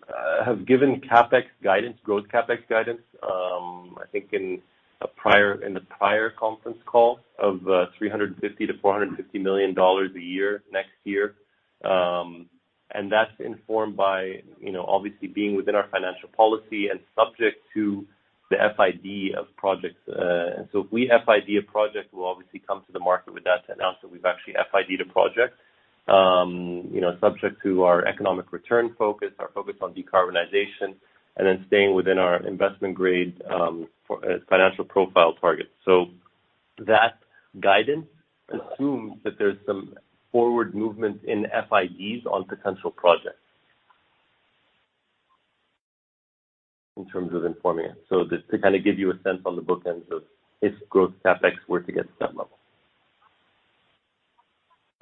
have given CapEx guidance, growth CapEx guidance, I think in the prior conference call of $350 million-$450 million a year next year. That's informed by, you know, obviously being within our financial policy and subject to the FID of projects. If we FID a project, we'll obviously come to the market with that to announce that we've actually FID the project. You know, subject to our economic return focus, our focus on decarbonization, and then staying within our investment grade for financial profile targets. That guidance assumes that there's some forward movement in FIDs on potential projects. In terms of informing it. Just to kinda give you a sense on the bookends of if growth CapEx were to get to that level.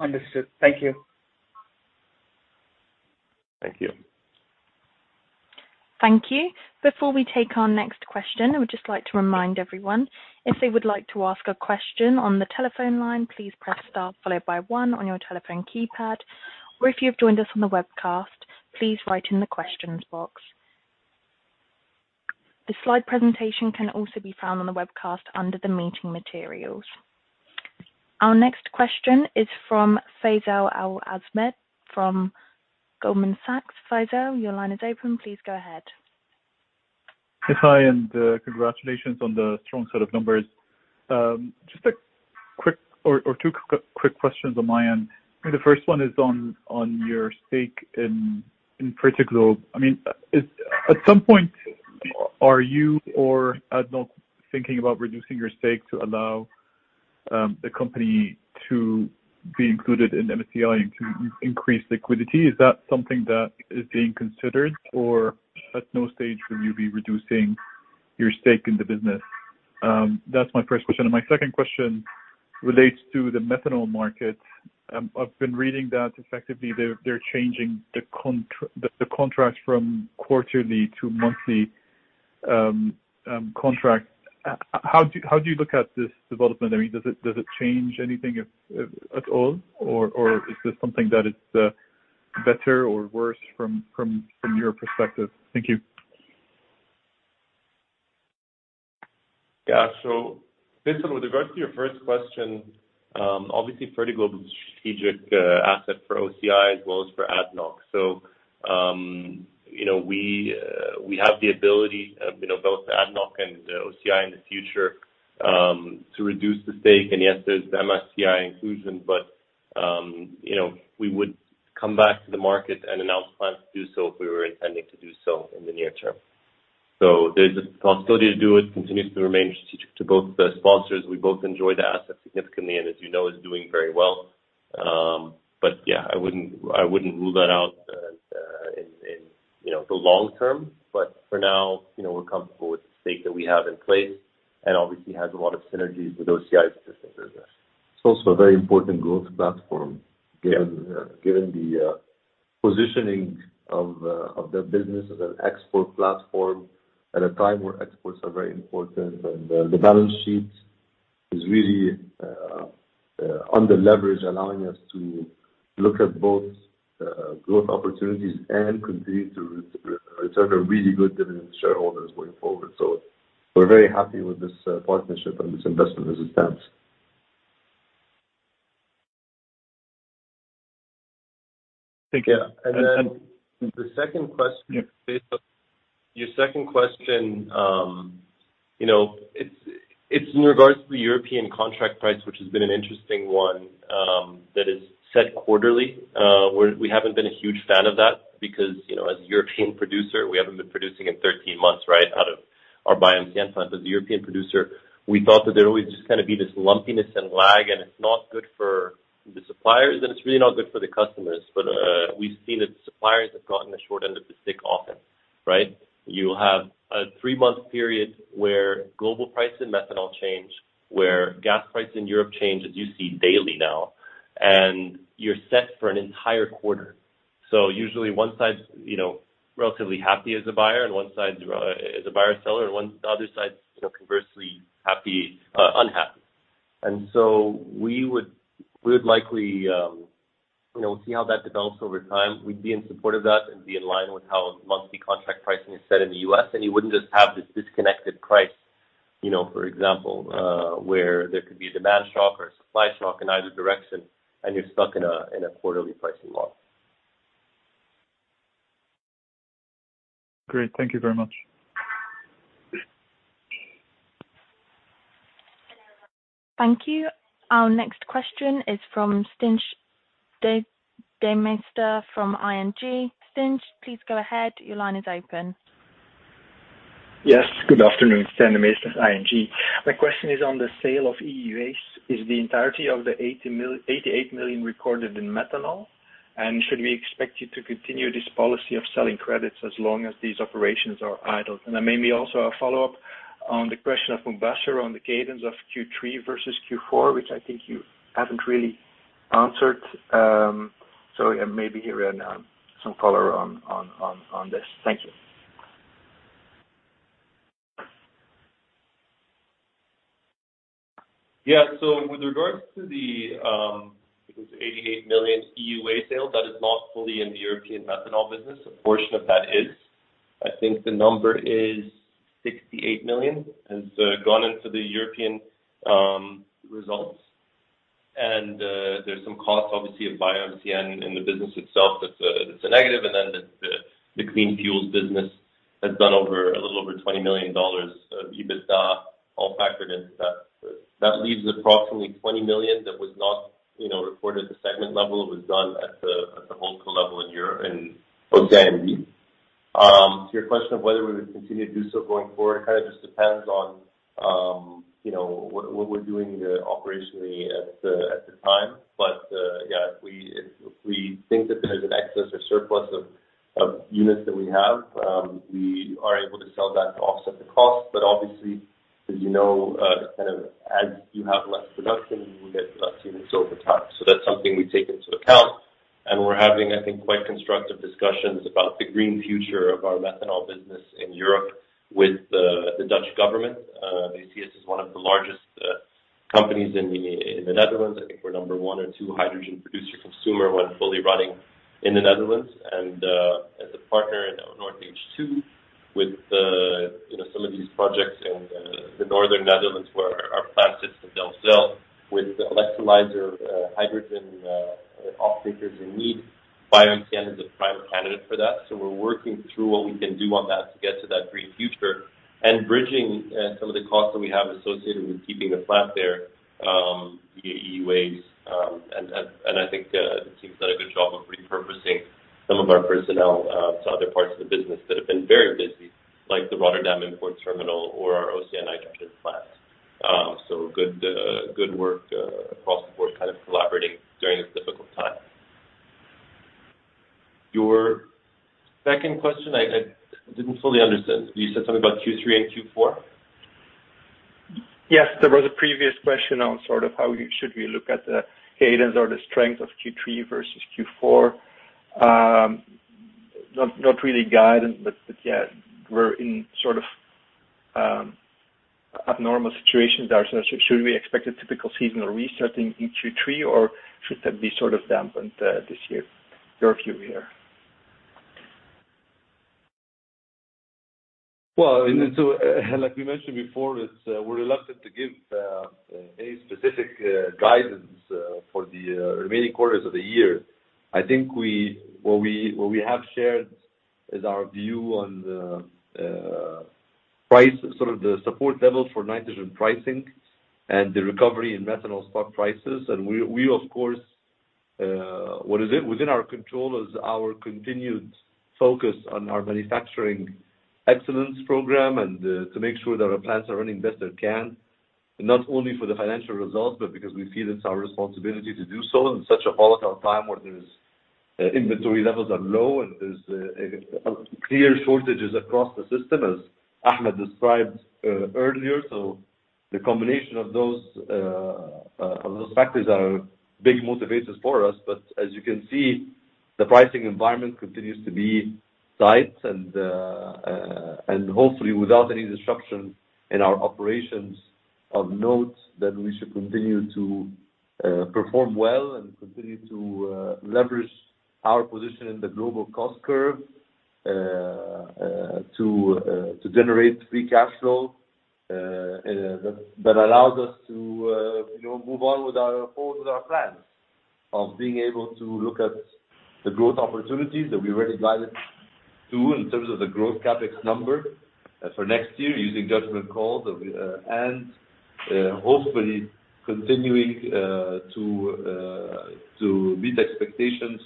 Understood. Thank you. Thank you. Thank you. Before we take our next question, I would just like to remind everyone, if they would like to ask a question on the telephone line, please press star followed by one on your telephone keypad, or if you have joined us on the webcast, please write in the questions box. The slide presentation can also be found on the webcast under the meeting materials. Our next question is from Faisal Al-Azmeh, from Goldman Sachs. Faisal, your line is open. Please go ahead. Yes. Hi, and congratulations on the strong set of numbers. Just a quick one or two questions on my end. The first one is on your stake in Fertiglobe. I mean, at some point, are you or ADNOC thinking about reducing your stake to allow the company to be included in MSCI and to increase liquidity? Is that something that is being considered or at no stage will you be reducing your stake in the business? That's my first question. My second question relates to the methanol market. I've been reading that effectively they're changing the contract from quarterly to monthly contract. How do you look at this development? I mean, does it change anything if at all, or is this something that is better or worse from your perspective? Thank you. Yeah. Faisal, with regards to your first question, obviously Fertiglobe is a strategic asset for OCI as well as for ADNOC. You know, we have the ability, you know, both ADNOC and OCI in the future to reduce the stake. Yes, there's the MSCI inclusion, but you know, we would come back to the market and announce plans to do so if we were intending to do so in the near term. There's a possibility to do it, continues to remain strategic to both the sponsors. We both enjoy the asset significantly and as you know is doing very well. Yeah, I wouldn't rule that out in you know, the long term. For now, you know, we're comfortable with the stake that we have in place and obviously has a lot of synergies with OCI's existing products. It's also a very important growth platform given the positioning of their business as an export platform at a time where exports are very important. The balance sheet is really under leverage, allowing us to look at both growth opportunities and continue to return a really good dividend to shareholders going forward. We're very happy with this partnership and this investment with ADNOC. Thank you. Yeah. The second question. Yeah. Based on your second question, you know, it's in regards to the European contract price, which has been an interesting one, that is set quarterly. We haven't been a huge fan of that because, you know, as a European producer, we haven't been producing in 13 months, right? Out of our BioMCN plant. As a European producer, we thought that there'd always just kind of be this lumpiness and lag, and it's not good for the suppliers, and it's really not good for the customers. We've seen that the suppliers have gotten the short end of the stick often, right? You'll have a three-month period where global price and methanol change, where gas price in Europe change, as you see daily now, and you're set for an entire quarter. Usually one side's, you know, relatively happy as a buyer, and one side as a buyer or seller, the other side, you know, conversely, happy, unhappy. We would likely, you know, see how that develops over time. We'd be in support of that and be in line with how monthly contract pricing is set in the U.S., and you wouldn't just have this disconnected price, you know, for example, where there could be a demand shock or a supply shock in either direction, and you're stuck in a quarterly pricing model. Great. Thank you very much. Thank you. Our next question is from Stijn Demeester from ING. Stijn, please go ahead. Your line is open. Yes, good afternoon. Stijn Demeester, ING. My question is on the sale of EUAs. Is the entirety of the $88 million recorded in methanol? And should we expect you to continue this policy of selling credits as long as these operations are idle? And then maybe also a follow-up on the question of Mubasher on the cadence of Q3 versus Q4, which I think you haven't really answered. Maybe here on some color on this. Thank you. Yeah. With regards to the $88 million EUA sale, that is not fully in the European methanol business. A portion of that is. I think the number is $68 million has gone into the European results. There's some costs obviously of BioMCN in the business itself. That's a negative. The OCI Clean Fuels business has done over a little over $20 million of EBITDA all factored into that. That leaves approximately $20 million that was not you know reported at the segment level. It was done at the whole-co level in Europe or GMV. To your question of whether we would continue to do so going forward, it kind of just depends on you know what we're doing operationally at the time. Yeah, if we think that there's an excess or surplus of units that we have, we are able to sell that to offset the cost. Obviously, as you know, kind of as you have less production, you get less units over time. That's something we take into account. We're having, I think, quite constructive discussions about the green future of our methanol business in Europe with the Dutch government. They see us as one of the largest companies in the Netherlands. I think we're number one or two hydrogen producer consumer when fully running in the Netherlands. As a partner in NortH2 with, you know, some of these projects in the northern Netherlands where our plant sits in Delfzijl with electrolyzer hydrogen off-takers in need, BioMCN is a prime candidate for that. We're working through what we can do on that to get to that green future and bridging some of the costs that we have associated with keeping the plant there via EUAs and I think the team's done a good job of repurposing some of our personnel to other parts of the business that have been very busy, like the Rotterdam import terminal or our OCI Nitrogen hydrogen plant. Good work across the board kind of collaborating during this difficult time. Your second question, I didn't fully understand. You said something about Q3 and Q4? Yes. There was a previous question on sort of how we should look at the cadence or the strength of Q3 versus Q4. Not really guidance, but yeah, we're in sort of abnormal situations ourselves. Should we expect a typical seasonal restart in Q3, or should that be sort of dampened this year? Your view here. Well, like we mentioned before, it's we're reluctant to give any specific guidance for the remaining quarters of the year. I think what we have shared is our view on the price, sort of the support level for nitrogen pricing and the recovery in methanol spot prices. We of course, what is it within our control is our continued focus on our manufacturing excellence program and to make sure that our plants are running best they can, not only for the financial results, but because we feel it's our responsibility to do so in such a volatile time where there is. Inventory levels are low and there's clear shortages across the system, as Ahmed described earlier. The combination of those factors are big motivators for us. As you can see, the pricing environment continues to be tight and hopefully without any disruption in our operations of note that we should continue to perform well and continue to leverage our position in the global cost curve to generate free cash flow that allows us to you know move forward with our plans of being able to look at the growth opportunities that we already guided to in terms of the growth CapEx number for next year using judgment calls. Hopefully continuing to meet expectations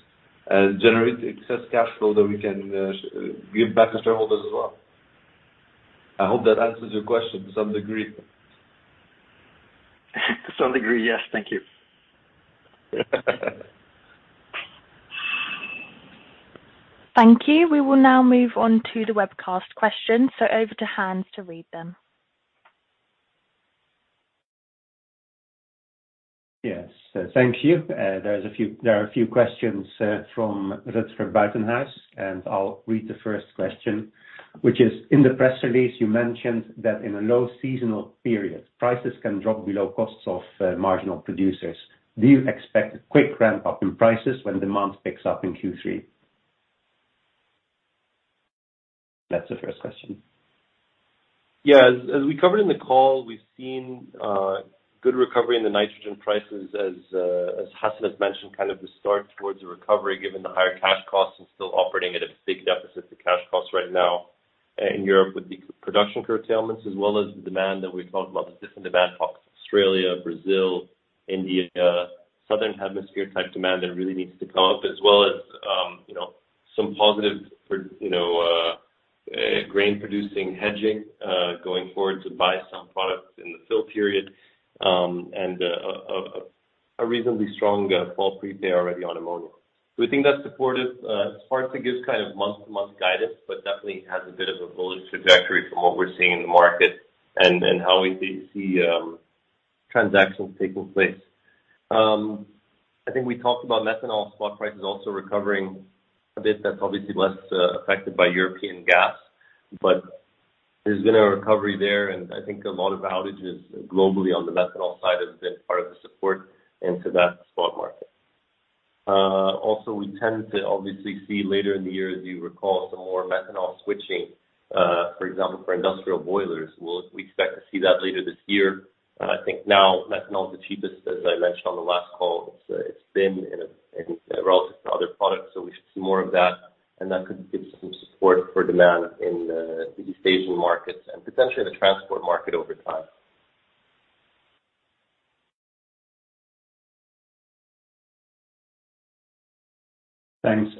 and generate excess cash flow that we can give back to shareholders as well. I hope that answers your question to some degree. To some degree, yes. Thank you. Thank you. We will now move on to the webcast questions. Over to Hans to read them. Yes. Thank you. There are a few questions from Rutger Buitenhuis, and I'll read the first question, which is: In the press release, you mentioned that in a low seasonal period, prices can drop below costs of marginal producers. Do you expect a quick ramp-up in prices when demand picks up in Q3? That's the first question. Yeah. As we covered in the call, we've seen good recovery in the nitrogen prices as Hassan has mentioned, kind of the start towards a recovery given the higher cash costs and still operating at a big deficit to cash costs right now in Europe with the production curtailments as well as the demand that we talked about, the different demand pockets, Australia, Brazil, India, Southern Hemisphere type demand that really needs to come up as well as you know some positive for you know grain-producing hedging going forward to buy some products in the fill period and a reasonably strong fall prepaid already on ammonia. We think that's supportive. It's hard to give kind of month-to-month guidance, but definitely has a bit of a bullish trajectory from what we're seeing in the market and how we see transactions taking place. I think we talked about methanol spot prices also recovering a bit. That's obviously less affected by European gas, but there's been a recovery there, and I think a lot of outages globally on the methanol side has been part of the support into that spot market. Also we tend to obviously see later in the year, as you recall, some more methanol switching, for example, for industrial boilers. We expect to see that later this year. I think now methanol is the cheapest, as I mentioned on the last call. It's been relative to other products, so we should see more of that, and that could give some support for demand in the East Asian markets and potentially the transport market over time. Thanks.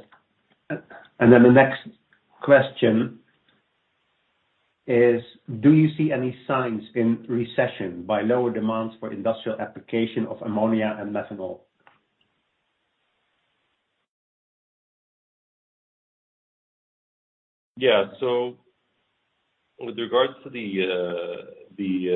The next question is: Do you see any signs of recession by lower demands for industrial application of ammonia and methanol? Yeah. With regards to the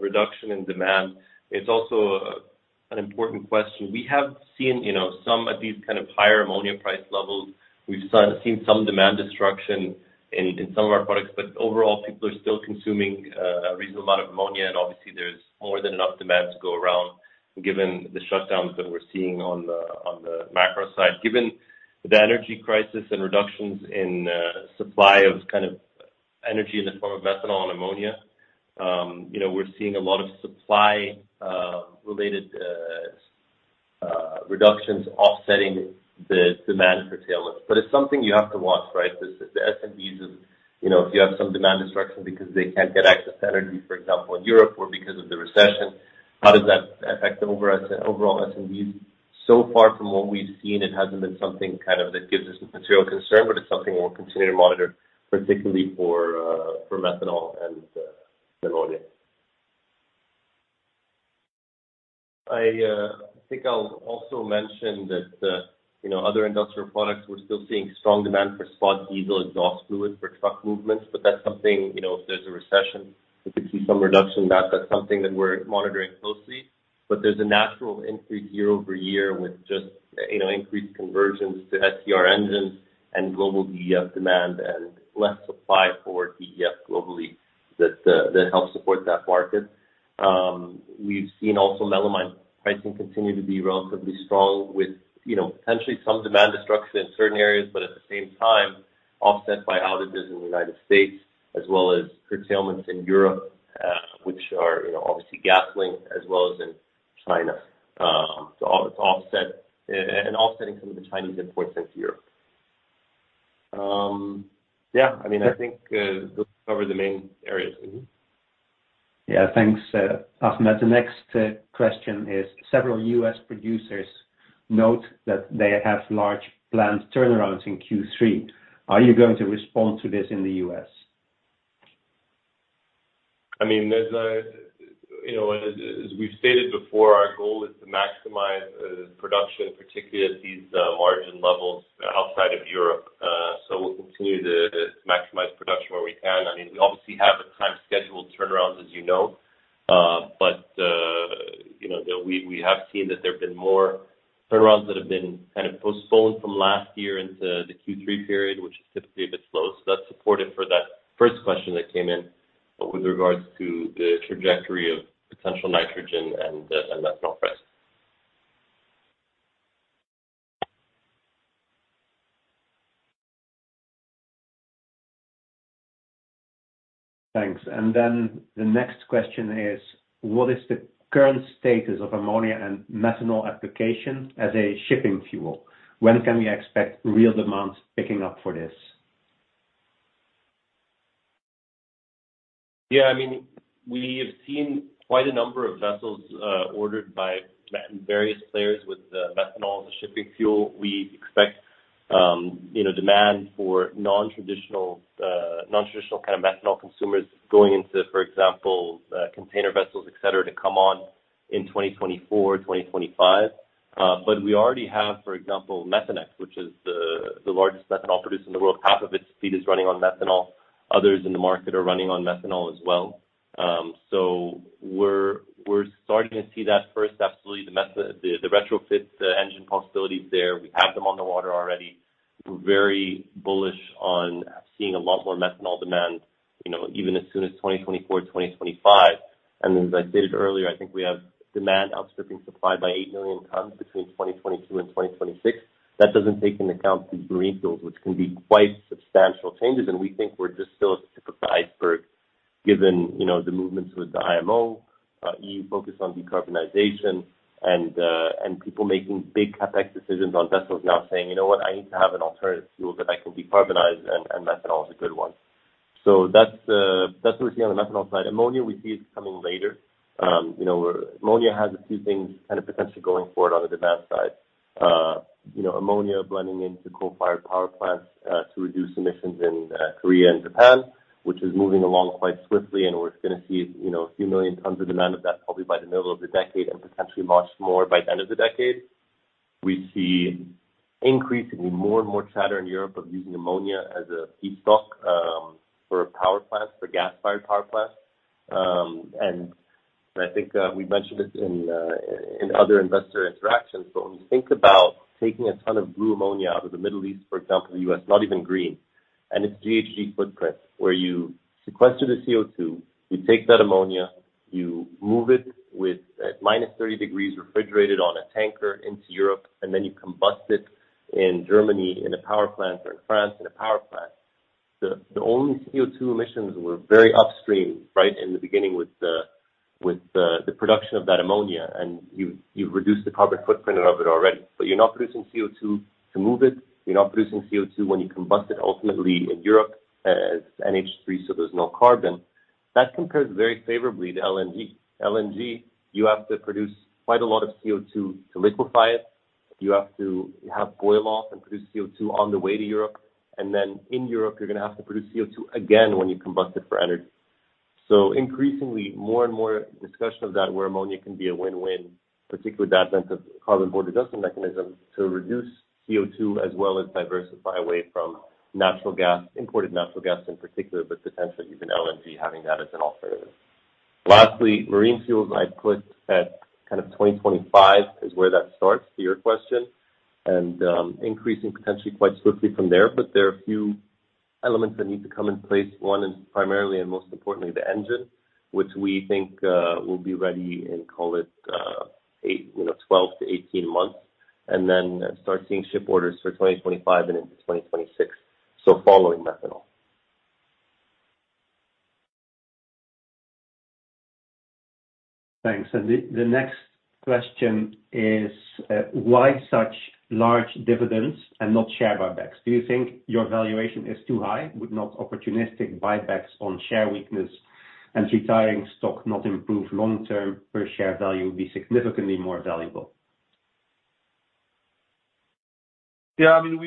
reduction in demand, it's also an important question. We have seen, you know, some at these kind of higher ammonia price levels. We've seen some demand destruction in some of our products, but overall, people are still consuming a reasonable amount of ammonia, and obviously there's more than enough demand to go around given the shutdowns that we're seeing on the macro side. Given the energy crisis and reductions in supply of kind of energy in the form of methanol and ammonia, you know, we're seeing a lot of supply related reductions offsetting the demand curtailment. It's something you have to watch, right? The SMBs of, you know, if you have some demand destruction because they can't get access to energy, for example, in Europe or because of the recession, how does that affect overall SMBs? So far from what we've seen, it hasn't been something kind of that gives us a material concern, but it's something we'll continue to monitor, particularly for methanol and ammonia. I think I'll also mention that, you know, other industrial products, we're still seeing strong demand for spot diesel exhaust fluid for truck movements, but that's something, you know, if there's a recession, we could see some reduction in that. That's something that we're monitoring closely. There's a natural increase year-over-year with just, you know, increased conversions to SCR engines and global DEF demand and less supply for DEF globally that helps support that market. We've seen also Melamine pricing continue to be relatively strong with, you know, potentially some demand destruction in certain areas, but at the same time, offset by outages in the United States as well as curtailments in Europe, which are, you know, obviously gas linked as well as in China. It's offset and offsetting some of the Chinese imports into Europe. Yeah. I mean, I think those cover the main areas. Yeah. Thanks, Ahmed. The next question is, several U.S. producers note that they have large planned turnarounds in Q3. Are you going to respond to this in the U.S.? I mean, you know, as we've stated before, our goal is to maximize production, particularly at these margin levels outside of Europe. We'll continue to maximize production where we can. I mean, we obviously have time-scheduled turnarounds, as you know. We have seen that there have been more turnarounds that have been kind of postponed from last year into the Q3 period, which is typically a bit slow. That's supportive for that first question that came in with regards to the trajectory of potential nitrogen and methanol price. Thanks. The next question is: What is the current status of ammonia and methanol application as a shipping fuel? When can we expect real demand picking up for this? Yeah, I mean, we have seen quite a number of vessels ordered by various players with methanol as a shipping fuel. We expect, you know, demand for non-traditional kind of methanol consumers going into, for example, container vessels, et cetera, to come on in 2024, 2025. We already have, for example, Methanex, which is the largest methanol producer in the world. Half of its fleet is running on methanol. Others in the market are running on methanol as well. We're starting to see that first. Absolutely, the retrofit, the engine possibility is there. We have them on the water already. We're very bullish on seeing a lot more methanol demand, you know, even as soon as 2024, 2025. As I stated earlier, I think we have demand outstripping supply by 8 million tons between 2022 and 2026. That doesn't take into account the green fuels, which can be quite substantial changes, and we think we're just still at the tip of the iceberg given, you know, the movements with the IMO, EU focus on decarbonization, and people making big CapEx decisions on vessels now saying, "You know what? I need to have an alternative fuel that I can decarbonize," and Methanol is a good one. So that's what we see on the Methanol side. Ammonia, we see it coming later. You know, Ammonia has a few things kind of potentially going for it on the demand side. You know, ammonia blending into coal-fired power plants to reduce emissions in Korea and Japan, which is moving along quite swiftly. We're gonna see, you know, a few million tons of demand of that probably by the middle of the decade and potentially much more by the end of the decade. We see increasingly more and more chatter in Europe of using ammonia as a feedstock for power plants, for gas-fired power plants. I think we mentioned this in other investor interactions, but when you think about taking a ton of blue ammonia out of the Middle East, for example, the U.S., not even green, and its GHG footprint, where you sequester the CO2, you take that ammonia, you move it at -30 degrees, refrigerated on a tanker into Europe, and then you combust it in Germany in a power plant or in France in a power plant. The only CO2 emissions were very upstream, right in the beginning with the production of that ammonia, and you've reduced the carbon footprint of it already. But you're not producing CO2 to move it. You're not producing CO2 when you combust it, ultimately, in Europe as NH3, so there's no carbon. That compares very favorably to LNG. LNG, you have to produce quite a lot of CO2 to liquefy it. You have to have boil off and produce CO2 on the way to Europe. In Europe, you're gonna have to produce CO2 again when you combust it for energy. Increasingly, more and more discussion of that, where ammonia can be a win-win, particularly with the advent of Carbon Border Adjustment Mechanism, to reduce CO2, as well as diversify away from natural gas, imported natural gas in particular, but potentially even LNG, having that as an alternative. Lastly, marine fuels I'd put at kind of 2025 is where that starts, to your question, and increasing potentially quite swiftly from there. There are a few elements that need to come in place. One is primarily and most importantly the engine, which we think will be ready in, call it, eight. You know, 12-18 months, and then start seeing ship orders for 2025 and into 2026, so following methanol. Thanks. The next question is, why such large dividends and not share buybacks? Do you think your valuation is too high? Would not opportunistic buybacks on share weakness and retiring stock not improve long-term per share value would be significantly more valuable? I mean,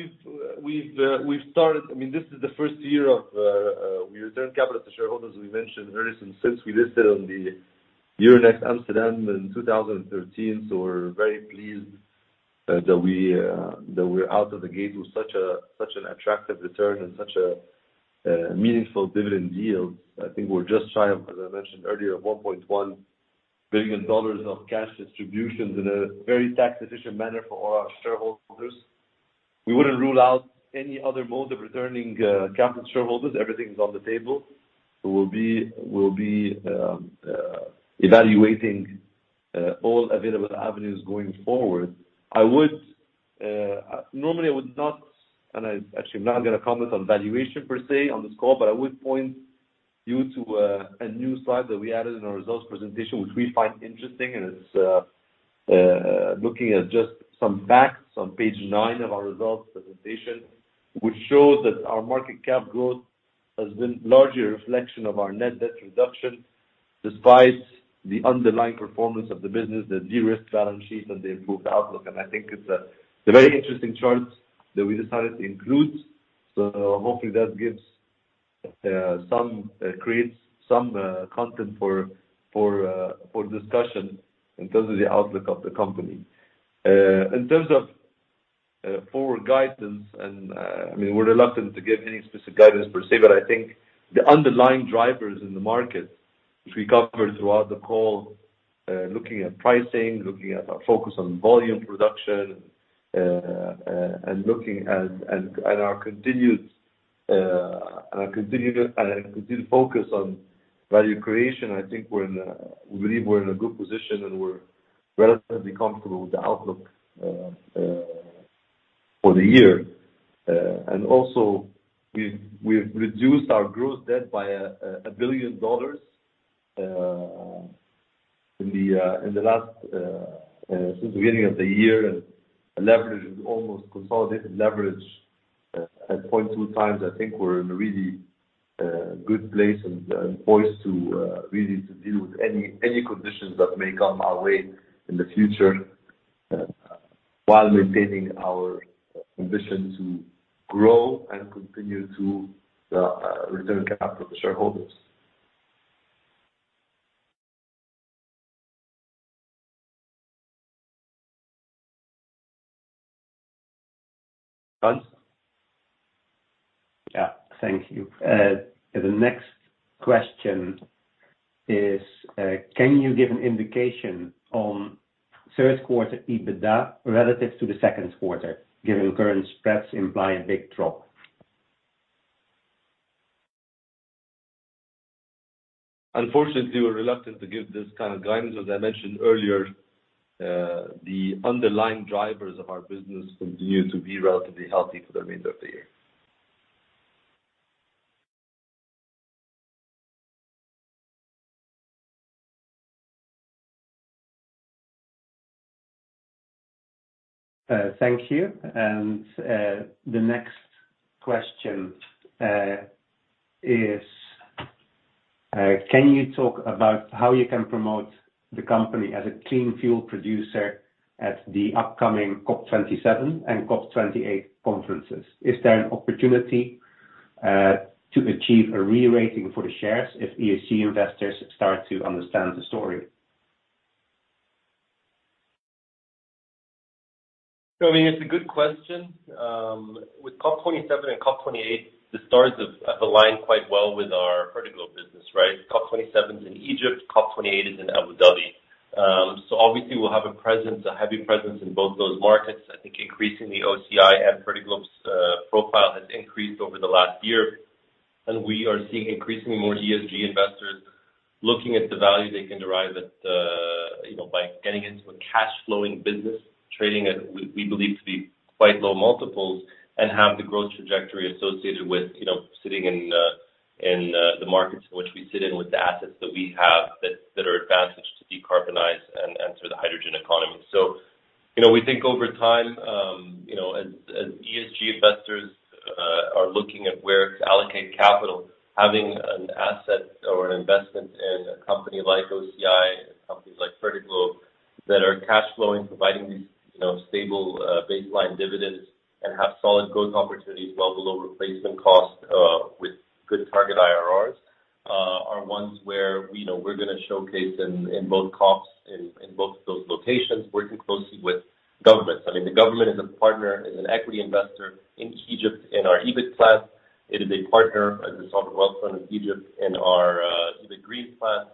we've started. I mean, this is the first year of we return capital to shareholders, as we mentioned earlier, since we listed on the Euronext Amsterdam in 2013. We're very pleased that we're out of the gate with such an attractive return and such a meaningful dividend yield. I think we're just shy of, as I mentioned earlier, of $1.1 billion of cash distributions in a very tax-efficient manner for all our shareholders. We wouldn't rule out any other mode of returning capital to shareholders. Everything's on the table. We'll be evaluating all available avenues going forward. Normally I would not, and I actually am not gonna comment on valuation per se on the score, but I would point you to a new slide that we added in our results presentation, which we find interesting, and it's looking at just some facts on page nine of our results presentation, which shows that our market cap growth has been largely a reflection of our net debt reduction despite the underlying performance of the business, the de-risked balance sheet, and the improved outlook. I think it's a very interesting chart that we decided to include. Hopefully that creates some content for discussion in terms of the outlook of the company. In terms of forward guidance and, I mean, we're reluctant to give any specific guidance per se, but I think the underlying drivers in the market, which we covered throughout the call, looking at pricing, looking at our focus on volume production, and looking at our continued focus on value creation. We believe we're in a good position, and we're relatively comfortable with the outlook for the year. We've reduced our gross debt by $1 billion since the beginning of the year. Leverage is almost consolidated leverage at 0.2x. I think we're in a really good place and poised to really deal with any conditions that may come our way in the future while maintaining our ambition to grow and continue to return capital to shareholders. Hans? Yeah, thank you. The next question is, can you give an indication on third quarter EBITDA relative to the second quarter, given current spreads imply a big drop? Unfortunately, we're reluctant to give this kind of guidance. As I mentioned earlier, the underlying drivers of our business continue to be relatively healthy for the remainder of the year. Thank you. The next question is, can you talk about how you can promote the company as a clean fuel producer at the upcoming COP27 and COP28 conferences? Is there an opportunity to achieve a re-rating for the shares if ESG investors start to understand the story? I mean, it's a good question. With COP27 and COP28, the stars have aligned quite well with our Fertiglobe business, right? COP27 is in Egypt, COP28 is in Abu Dhabi. Obviously we'll have a presence, a heavy presence in both those markets. I think increasingly OCI and Fertiglobe's profile has increased over the last year, and we are seeing increasingly more ESG investors looking at the value they can derive at, you know, by getting into a cash flowing business, trading at we believe to be quite low multiples and have the growth trajectory associated with, you know, sitting in the markets in which we sit in with the assets that we have that are advantaged to decarbonize and through the hydrogen economy. You know, we think over time, you know, as ESG investors are looking at where to allocate capital, having an asset or an investment in a company like OCI and companies like Fertiglobe that are cash flowing, providing these, you know, stable, baseline dividends and have solid growth opportunities well below replacement costs, with good target IRRs, are ones where we know we're gonna showcase in both COPs in both those locations, working closely with governments. I mean, the government is a partner, is an equity investor in Egypt in our EBIC plant. It is a partner as the Sovereign Wealth Fund in Egypt in our EBIC green plant.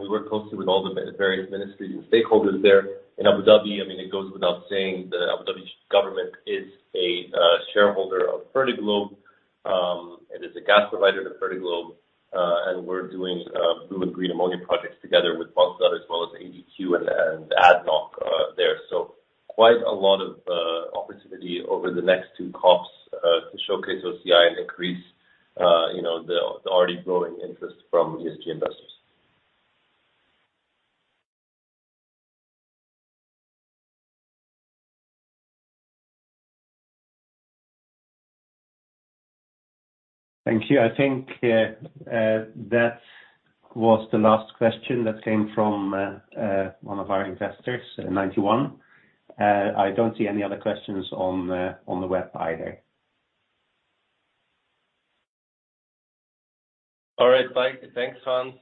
We work closely with all the various ministries and stakeholders there. In Abu Dhabi, I mean, it goes without saying that Abu Dhabi's government is a shareholder of Fertiglobe. It is a gas provider to Fertiglobe. We're doing blue and green ammonia projects together with Masdar as well as ADQ and ADNOC there. Quite a lot of opportunity over the next two COPs to showcase OCI and increase you know the already growing interest from ESG investors. Thank you. I think that was the last question that came from one of our investors, 91. I don't see any other questions on the web either. All right. Bye. Thanks, Hans.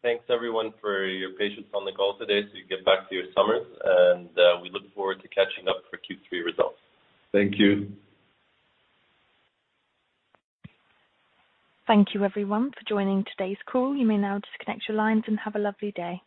Thanks everyone for your patience on the call today, so you get back to your summers. We look forward to catching up for Q3 results. Thank you. Thank you everyone for joining today's call. You may now disconnect your lines and have a lovely day.